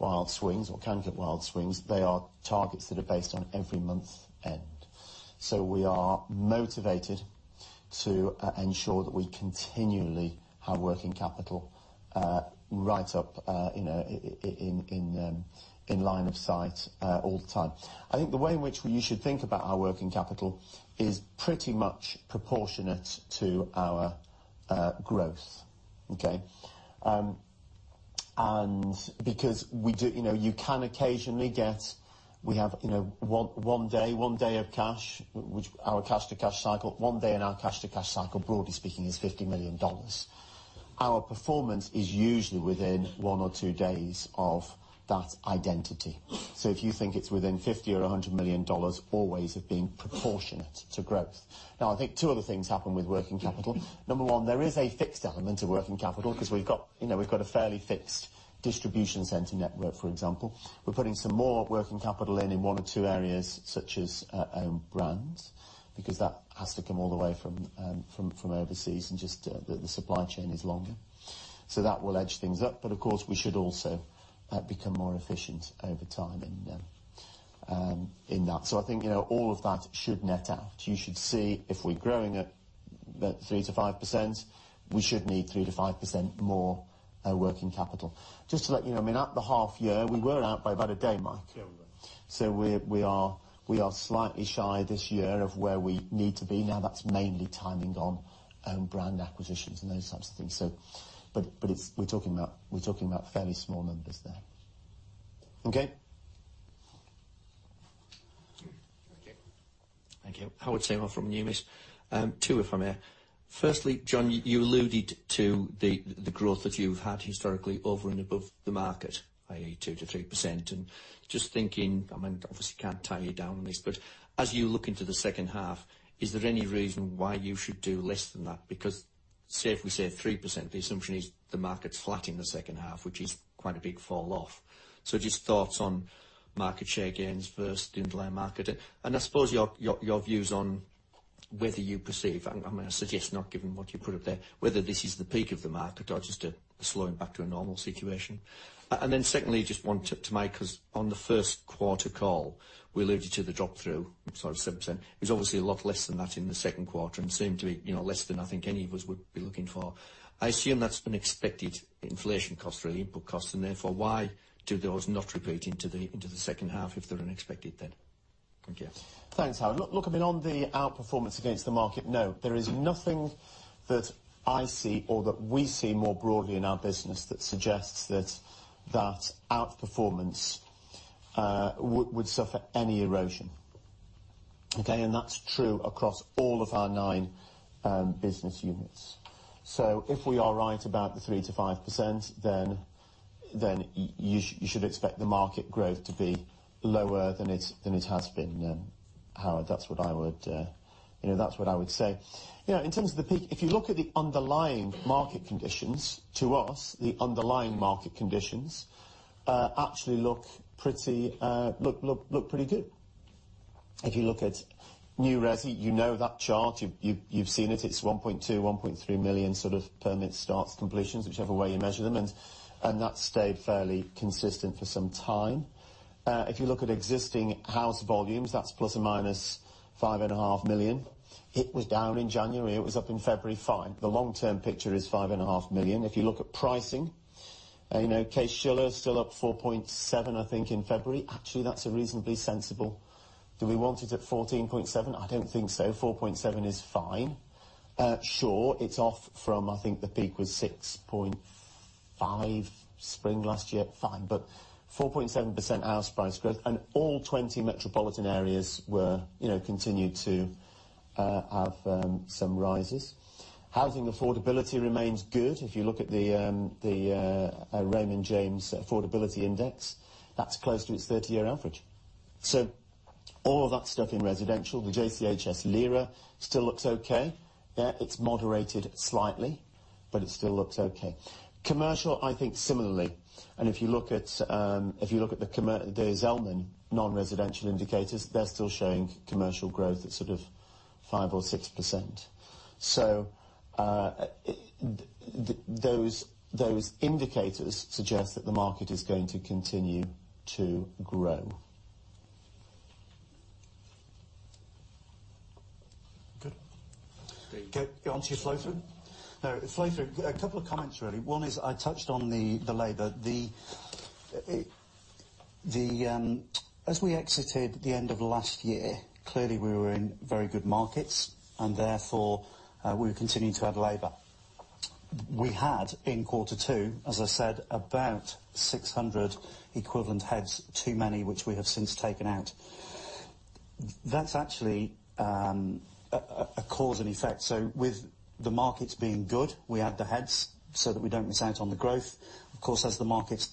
wild swings or can get wild swings. They are targets that are based on every month end. We are motivated to ensure that we continually have working capital right up in line of sight all the time. I think the way in which you should think about our working capital is pretty much proportionate to our growth. Okay? Because you can occasionally get, we have one day of cash, which our cash to cash cycle, one day in our cash to cash cycle, broadly speaking, is GBP 50 million. Our performance is usually within one or two days of that identity. If you think it's within 50 million or GBP 100 million always of being proportionate to growth. I think two other things happen with working capital. Number one, there is a fixed element of working capital because we've got a fairly fixed distribution center network, for example. We're putting some more working capital in in one or two areas such as own brands, because that has to come all the way from overseas and just the supply chain is longer. That will edge things up. Of course, we should also become more efficient over time in that. I think all of that should net out. You should see if we're growing at about 3%-5%, we should need 3%-5% more working capital. Just to let you know, at the half year, we were out by about a day, Mike. Yeah, we were. We are slightly shy this year of where we need to be. Now that's mainly timing on own brand acquisitions and those types of things. We're talking about fairly small numbers there. Okay? Okay. Thank you. Howard Seymour from Numis. Two if I may. Firstly, John, you alluded to the growth that you've had historically over and above the market, i.e., 2%-3%. Just thinking, obviously, can't tie you down on this, as you look into the second half, is there any reason why you should do less than that? Say if we say 3%, the assumption is the market's flat in the second half, which is quite a big fall off. Just thoughts on market share gains versus the underlying market. I suppose your views on whether you perceive, I suggest not given what you put up there, whether this is the peak of the market or just a slowing back to a normal situation. Then secondly, just wanted to make, because on the first quarter call, we alluded to the drop-through, sorry, 7%. It was obviously a lot less than that in the second quarter and seemed to be less than I think any of us would be looking for. I assume that's unexpected inflation cost really, input cost, and therefore, why do those not repeat into the second half if they're unexpected then? Thank you. Thanks, Howard. Look, on the outperformance against the market, no, there is nothing that I see or that we see more broadly in our business that suggests that outperformance would suffer any erosion. Okay? That's true across all of our nine business units. If we are right about the 3%-5%, you should expect the market growth to be lower than it has been, Howard. That's what I would say. In terms of the peak, if you look at the underlying market conditions, to us, the underlying market conditions actually look pretty good. If you look at new resi, you know that chart. You've seen it. It's 1.2, 1.3 million sort of permits, starts, completions, whichever way you measure them, and that's stayed fairly consistent for some time. If you look at existing house volumes, that's plus or minus 5.5 million. It was down in January. It was up in February. Fine. The long term picture is $5.5 million. If you look at pricing, Case-Shiller is still up 4.7%, I think, in February. Actually, that's reasonably sensible. Do we want it at 14.7%? I don't think so. 4.7% is fine. Sure, it's off from, I think the peak was 6.5% spring last year. Fine, but 4.7% house price growth and all 20 metropolitan areas continued to have some rises. Housing affordability remains good. If you look at the Raymond James Affordability Index, that's close to its 30-year average. All of that stuff in residential, the JCHS LIRA still looks okay. It's moderated slightly, but it still looks okay. Commercial, I think similarly. If you look at the Zelman non-residential indicators, they're still showing commercial growth at sort of 5% or 6%. Those indicators suggest that the market is going to continue to grow. Good. On to flow through? No. Flow through, a couple of comments really. One is I touched on the labor. As we exited the end of last year, clearly we were in very good markets, and therefore, we were continuing to add labor. We had in quarter two, as I said, about 600 equivalent heads too many, which we have since taken out. That's actually a cause and effect. With the markets being good, we add the heads so that we don't miss out on the growth. Of course, as the markets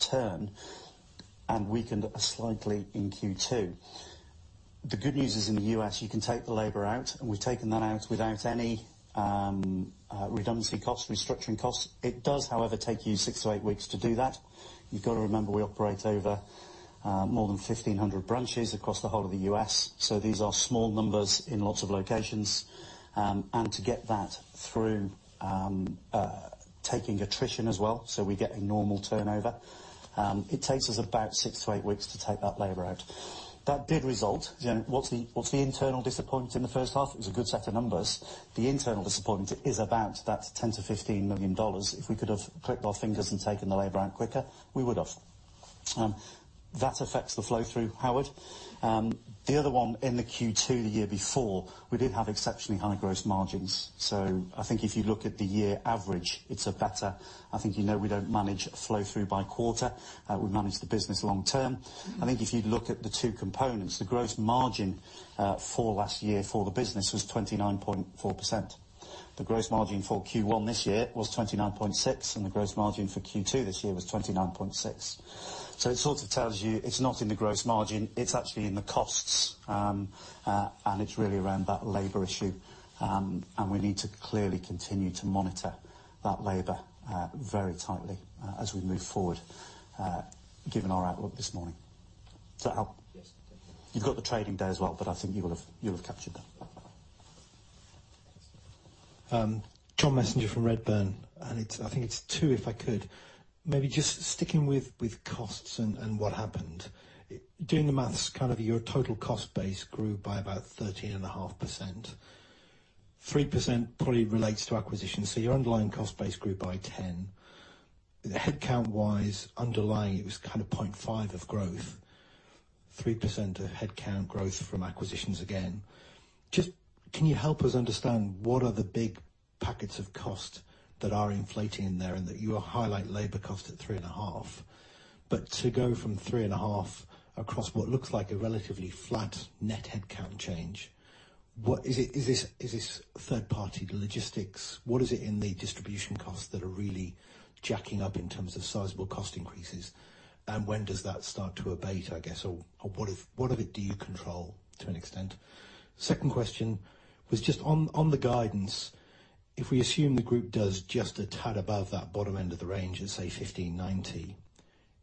weakened slightly in Q2. The good news is in the U.S., you can take the labor out, and we've taken that out without any redundancy costs, restructuring costs. It does, however, take you six to eight weeks to do that. You've got to remember, we operate over more than 1,500 branches across the whole of the U.S., so these are small numbers in lots of locations. To get that through taking attrition as well, so we get a normal turnover, it takes us about six to eight weeks to take that labor out. That did result. What's the internal disappointment in the first half? It was a good set of numbers. The internal disappointment is about that $10 million to $15 million. If we could have clicked our fingers and taken the labor out quicker, we would have. That affects the flow through, Howard. The other one in the Q2 the year before, we did have exceptionally high gross margins. I think if you look at the year average, it's better. I think you know we don't manage flow through by quarter. We manage the business long term. I think if you look at the two components, the gross margin for last year for the business was 29.4%. The gross margin for Q1 this year was 29.6%, and the gross margin for Q2 this year was 29.6%. It sort of tells you it's not in the gross margin, it's actually in the costs, and it's really around that labor issue. We need to clearly continue to monitor that labor very tightly as we move forward given our outlook this morning. Does that help? Yes. Thank you. You've got the trading day as well. I think you'll have captured that. Thanks. John Messenger from Redburn. I think it's two, if I could. Maybe just sticking with costs and what happened. Doing the maths kind of your total cost base grew by about 13.5%. 3% probably relates to acquisitions. Your underlying cost base grew by 10%. Headcount-wise, underlying, it was kind of 0.5 of growth, 3% of headcount growth from acquisitions again. Just can you help us understand what are the big packets of cost that are inflating in there and that you highlight labor cost at 3.5%. To go from 3.5% across what looks like a relatively flat net headcount change, is this third party logistics? What is it in the distribution costs that are really jacking up in terms of sizable cost increases? When does that start to abate, I guess, or what of it do you control to an extent? Second question was just on the guidance. If we assume the group does just a tad above that bottom end of the range at, say, 1,590,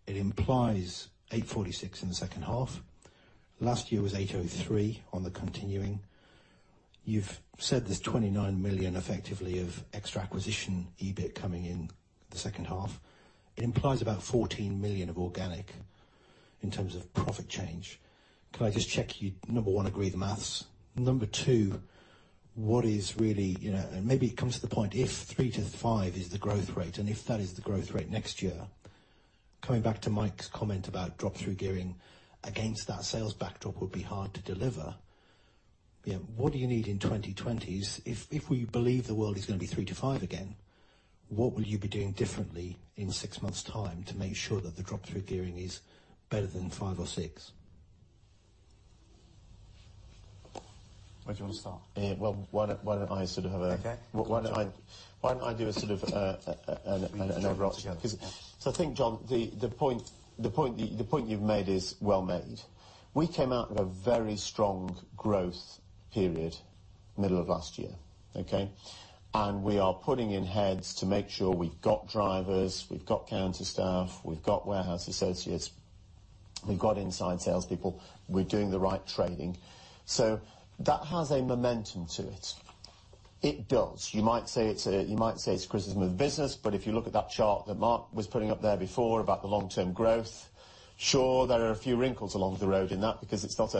it implies 846 in the second half. Last year was 803 on the continuing. You've said there's 29 million effectively of extra acquisition EBIT coming in the second half. It implies about 14 million of organic in terms of profit change. Can I just check you, number one, agree the maths? Number two, what is really Maybe it comes to the point if 3%-5% is the growth rate and if that is the growth rate next year, coming back to Mike's comment about drop-through gearing against that sales backdrop would be hard to deliver. What do you need in 2020s? If we believe the world is going to be three to five again, what will you be doing differently in six months' time to make sure that the drop-through gearing is better than five or six? Where do you want to start? Well, why don't I sort of have. Okay. Why don't I do a sort of an overall. We can jump in together. I think, John, the point you've made is well made. We came out of a very strong growth period middle of last year, okay? We are putting in heads to make sure we've got drivers, we've got counter staff, we've got warehouse associates, we've got inside salespeople. We're doing the right trading. That has a momentum to it. It does. You might say it's criticism of business, but if you look at that chart that Mark was putting up there before about the long-term growth, sure, there are a few wrinkles along the road in that because it's not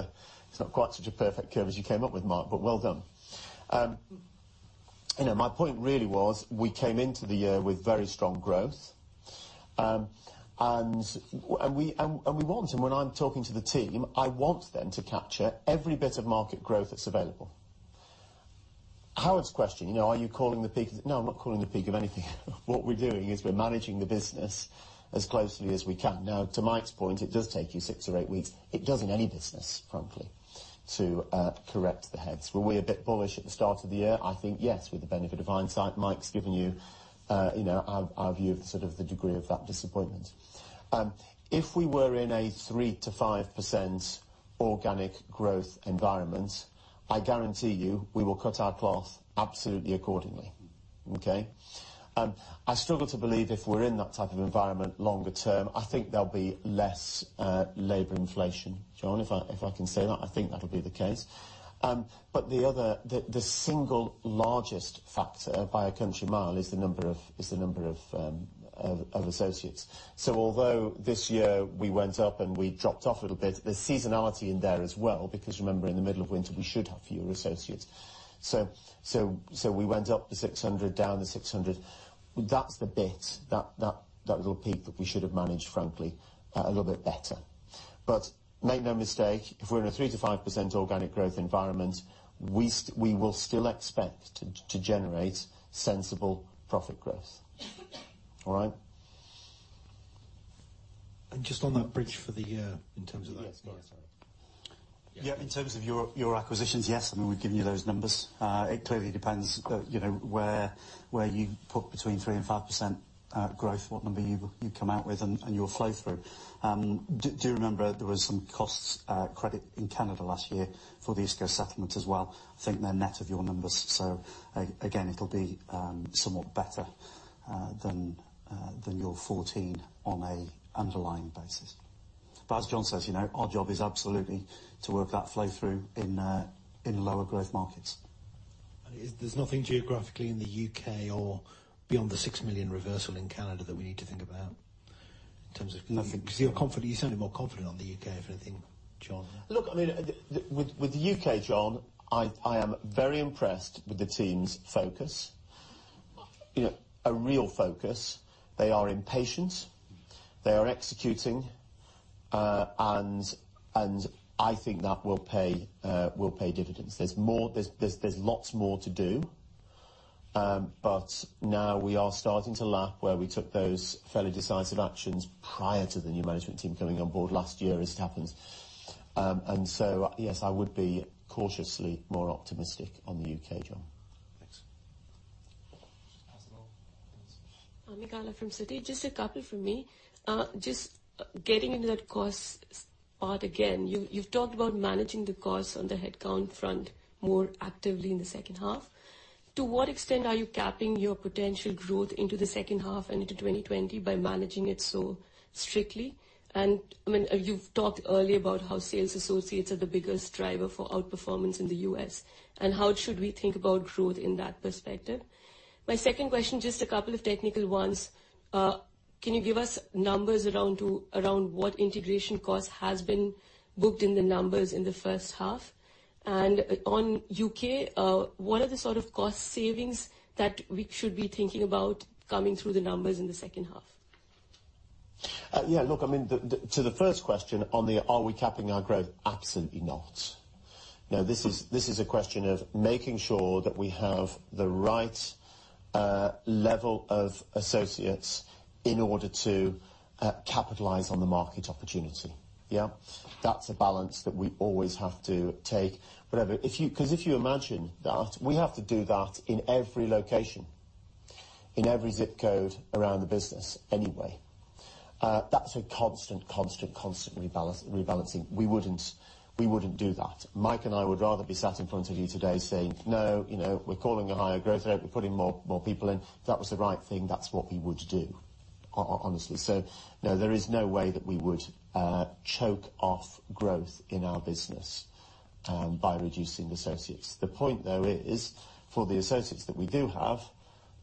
quite such a perfect curve as you came up with, Mark, but well done. My point really was we came into the year with very strong growth. We want, and when I'm talking to the team, I want them to capture every bit of market growth that's available. Howard's question, are you calling the peak? No, I'm not calling the peak of anything. What we're doing is we're managing the business as closely as we can. Now, to Mike's point, it does take you six or eight weeks. It does in any business, frankly, to correct the heads. Were we a bit bullish at the start of the year? I think yes, with the benefit of hindsight. Mike's given you our view of sort of the degree of that disappointment. If we were in a 3%-5% organic growth environment, I guarantee you we will cut our cloth absolutely accordingly, okay? I struggle to believe if we're in that type of environment longer term, I think there'll be less labor inflation, John, if I can say that. I think that'll be the case. The other, the single largest factor by a country mile is the number of associates. Although this year we went up and we dropped off a little bit, there's seasonality in there as well because remember, in the middle of winter, we should have fewer associates. We went up the 600, down the 600. That's the bit, that little peak that we should've managed, frankly, a little bit better. Make no mistake, if we're in a 3%-5% organic growth environment, we will still expect to generate sensible profit growth. All right? Just on that bridge for the year in terms of that- Yes. Yeah, in terms of your acquisitions, yes. I mean, we've given you those numbers. It clearly depends where you put between 3% and 5% growth, what number you come out with and your flow through. Do you remember there was some costs credit in Canada last year for the Easter settlement as well? I think they're net of your numbers, so again, it'll be somewhat better than your 14 on an underlying basis. As John says, our job is absolutely to work that flow through in lower growth markets. There's nothing geographically in the U.K. or beyond the 6 million reversal in Canada that we need to think about in terms of- Nothing. You sounded more confident on the U.K., if anything, John. Look, I mean, with the U.K., John, I am very impressed with the team's focus. A real focus. They are impatient, they are executing. I think that will pay dividends. There's lots more to do. Now we are starting to lap where we took those fairly decisive actions prior to the new management team coming on board last year as it happens. Yes, I would be cautiously more optimistic on the U.K., John. Thanks. Pass it on. Ami Galla from Citi. Just a couple from me. Just getting into that cost part again, you've talked about managing the cost on the headcount front more actively in the second half. To what extent are you capping your potential growth into the second half and into 2020 by managing it so strictly? You've talked earlier about how sales associates are the biggest driver for outperformance in the U.S., and how should we think about growth in that perspective? My second question, just a couple of technical ones. Can you give us numbers around what integration cost has been booked in the numbers in the first half? On U.K., what are the sort of cost savings that we should be thinking about coming through the numbers in the second half? Yeah, look, to the first question on the are we capping our growth, absolutely not. No, this is a question of making sure that we have the right level of associates in order to capitalize on the market opportunity. Yeah? That's a balance that we always have to take. Because if you imagine that, we have to do that in every location, in every zip code around the business anyway. That's a constant rebalancing. We wouldn't do that. Mike and I would rather be sat in front of you today saying, "No, we're calling a higher growth rate. We're putting more people in." If that was the right thing, that's what we would do. Honestly. No, there is no way that we would choke off growth in our business by reducing the associates. The point, though, is for the associates that we do have,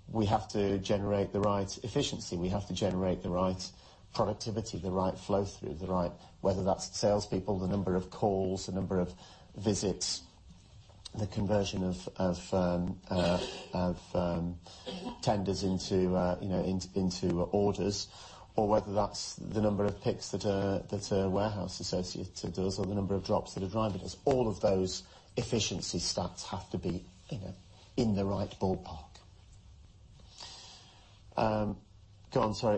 we have to generate the right efficiency. We have to generate the right productivity, the right flow through. Whether that's salespeople, the number of calls, the number of visits, the conversion of tenders into orders or whether that's the number of picks that a warehouse associate does, or the number of drops that a driver does. All of those efficiency stats have to be in the right ballpark. Go on, sorry.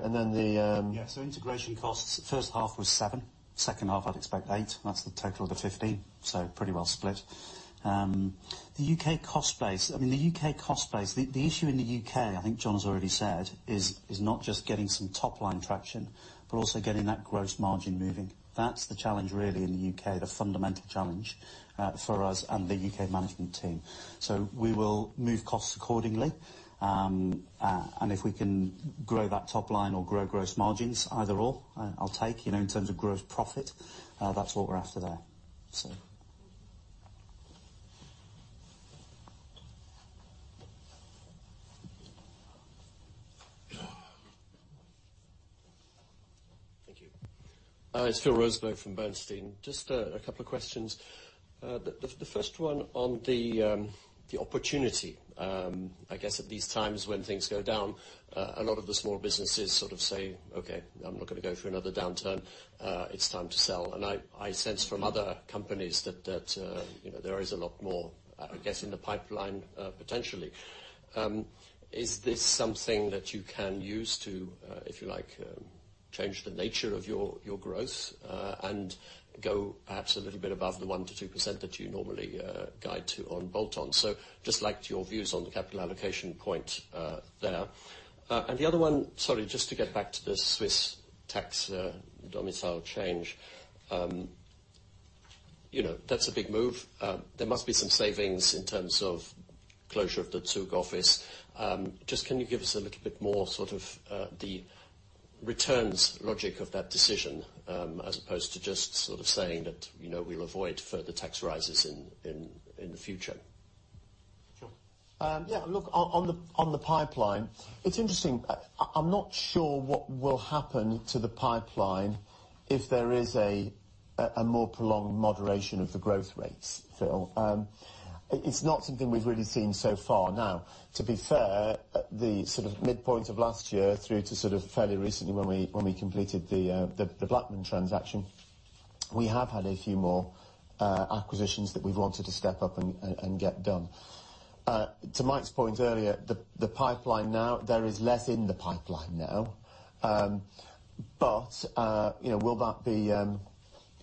Yeah. Integration costs, first half was GBP seven. Second half, I'd expect GBP eight. That's the total of 15, so pretty well split. The U.K. cost base. The issue in the U.K., I think John has already said, is not just getting some top-line traction, but also getting that gross margin moving. That's the challenge, really, in the U.K. The fundamental challenge for us and the U.K. management team. We will move costs accordingly. If we can grow that top line or grow gross margins, either or, I'll take in terms of gross profit. That's what we're after there. Thank you. It's Phil Roseberg from Bernstein. Just a couple of questions. The first one on the opportunity. I guess at these times when things go down, a lot of the small businesses sort of say, "Okay, I'm not going to go through another downturn. It's time to sell." I sense from other companies that there is a lot more, I guess, in the pipeline potentially. Is this something that you can use to, if you like, change the nature of your growth, and go perhaps a little bit above the 1% to 2% that you normally guide to on bolt-ons? Just like to your views on the capital allocation point there. The other one, sorry, just to get back to the Swiss tax domicile change. That's a big move. There must be some savings in terms of closure of the Zug office. Just can you give us a little bit more sort of the returns logic of that decision, as opposed to just sort of saying that we'll avoid further tax rises in the future? Sure. Yeah, look, on the pipeline, it's interesting. I'm not sure what will happen to the pipeline if there is a more prolonged moderation of the growth rates, Phil. It's not something we've really seen so far. Now, to be fair, the sort of midpoint of last year through to sort of fairly recently when we completed the Blackman Plumbing Supply transaction, we have had a few more acquisitions that we've wanted to step up and get done. To Mike's point earlier, the pipeline now, there is less in the pipeline now.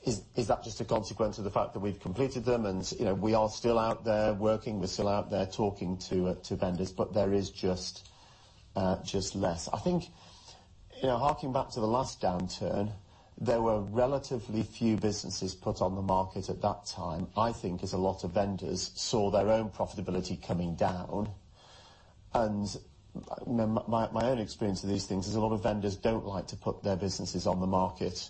Is that just a consequence of the fact that we've completed them? We are still out there working, we're still out there talking to vendors, but there is just less. I think, harking back to the last downturn, there were relatively few businesses put on the market at that time, I think because a lot of vendors saw their own profitability coming down. My own experience of these things is a lot of vendors don't like to put their businesses on the market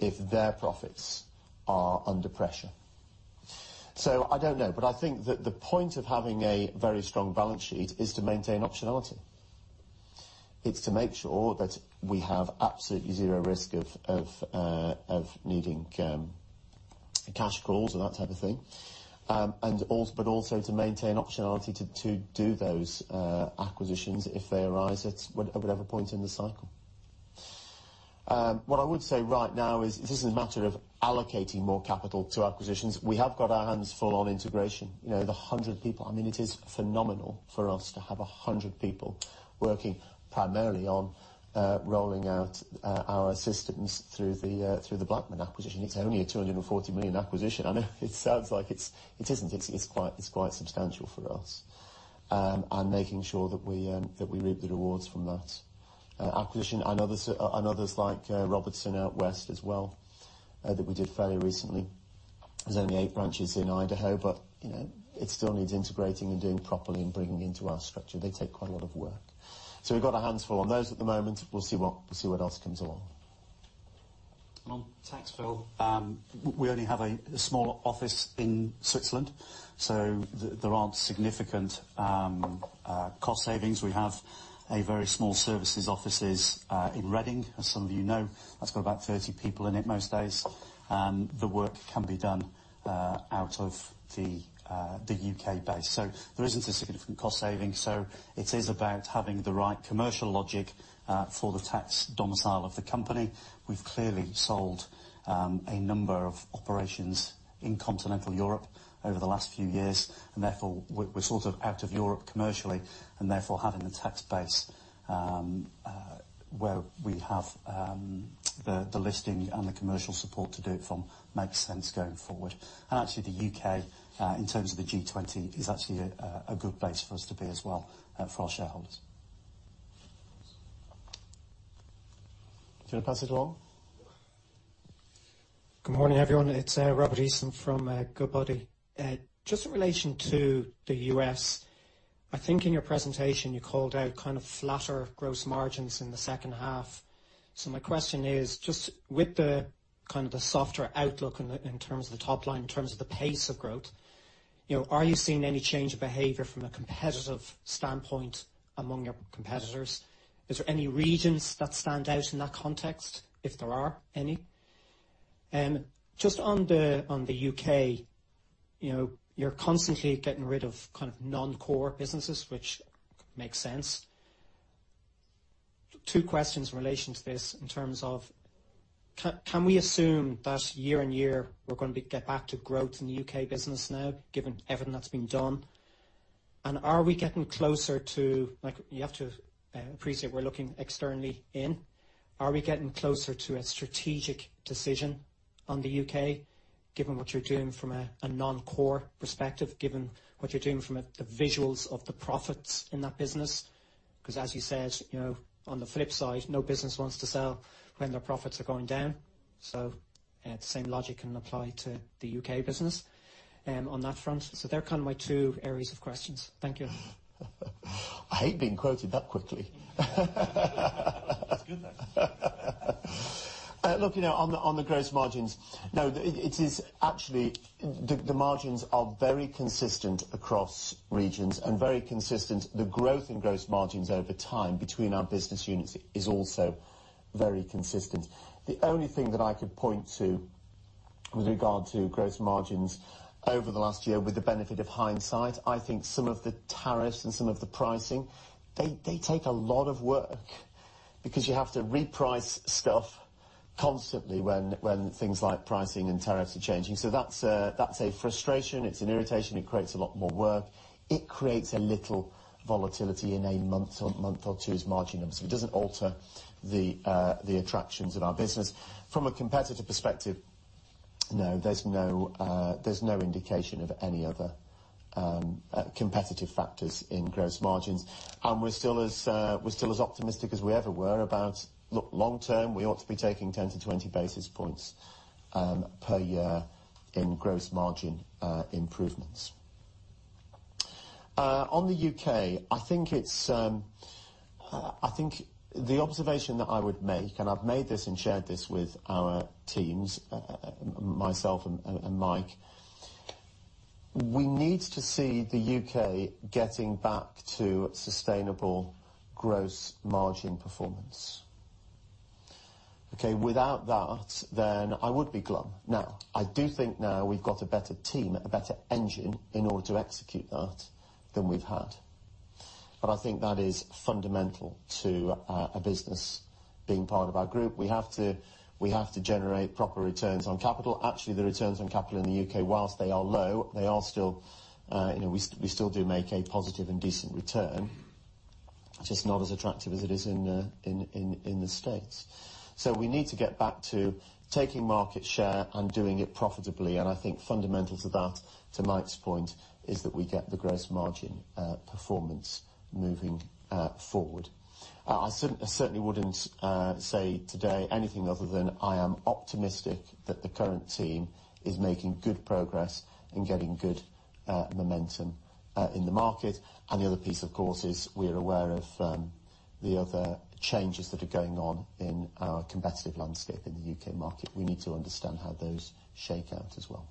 if their profits are under pressure. I don't know. I think that the point of having a very strong balance sheet is to maintain optionality. It's to make sure that we have absolutely zero risk of needing cash calls and that type of thing. Also to maintain optionality to do those acquisitions if they arise at whatever point in the cycle. What I would say right now is this is a matter of allocating more capital to acquisitions. We have got our hands full on integration. The 100 people, it is phenomenal for us to have 100 people working primarily on rolling out our systems through the Blackman Plumbing Supply acquisition. It's only a 240 million acquisition. I know it sounds like it isn't. It's quite substantial for us. Making sure that we reap the rewards from that acquisition and others like Robertson Supply out west as well, that we did fairly recently. There's only eight branches in Idaho, but it still needs integrating and doing properly and bringing into our structure. They take quite a lot of work. We've got our hands full on those at the moment. We'll see what else comes along. On tax, Phil. We only have a small office in Switzerland, there aren't significant cost savings. We have a very small services offices in Reading, as some of you know. That's got about 30 people in it most days. The work can be done out of the U.K. base. There isn't a significant cost saving. It is about having the right commercial logic for the tax domicile of the company. We've clearly sold a number of operations in continental Europe over the last few years, and therefore we're sort of out of Europe commercially. Therefore, having a tax base where we have the listing and the commercial support to do it from makes sense going forward. Actually, the U.K., in terms of the G20, is actually a good place for us to be as well for our shareholders. Do you want to pass it along? Good morning, everyone. It's Robert Eason from Goodbody. In relation to the U.S., I think in your presentation you called out kind of flatter gross margins in the second half. My question is just with the kind of the softer outlook in terms of the top line, in terms of the pace of growth, are you seeing any change of behavior from a competitive standpoint among your competitors? Is there any regions that stand out in that context, if there are any? On the U.K., you're constantly getting rid of non-core businesses, which makes sense. Two questions in relation to this in terms of can we assume that year-on-year we're going to get back to growth in the U.K. business now, given everything that's been done? Are we getting closer to, you have to appreciate we're looking externally in, are we getting closer to a strategic decision on the U.K., given what you're doing from a non-core perspective, given what you're doing from the visuals of the profits in that business? As you said, on the flip side, no business wants to sell when their profits are going down. The same logic can apply to the U.K. business on that front. They're kind of my two areas of questions. Thank you. I hate being quoted that quickly. It's good though. Look, on the gross margins, no, it is actually, the margins are very consistent across regions and very consistent, the growth in gross margins over time between our business units is also very consistent. The only thing that I could point to with regard to gross margins over the last year with the benefit of hindsight, I think some of the tariffs and some of the pricing, they take a lot of work because you have to reprice stuff constantly when things like pricing and tariffs are changing. That's a frustration. It's an irritation. It creates a lot more work. It creates a little volatility in a month or two's margin numbers. It doesn't alter the attractions of our business. From a competitive perspective, no, there's no indication of any other competitive factors in gross margins. We're still as optimistic as we ever were about look long term, we ought to be taking 10 to 20 basis points per year in gross margin improvements. On the U.K., I think the observation that I would make, and I've made this and shared this with our teams, myself and Mike, we need to see the U.K. getting back to sustainable gross margin performance. Okay, without that, I would be glum. I do think now we've got a better team, a better engine in order to execute that than we've had. I think that is fundamental to a business being part of our group. We have to generate proper returns on capital. Actually, the returns on capital in the U.K., whilst they are low, we still do make a positive and decent return, just not as attractive as it is in the States. We need to get back to taking market share and doing it profitably, and I think fundamental to that, to Mike's point, is that we get the gross margin performance moving forward. I certainly wouldn't say today anything other than I am optimistic that the current team is making good progress in getting good momentum in the market. The other piece, of course, is we're aware of the other changes that are going on in our competitive landscape in the U.K. market. We need to understand how those shake out as well.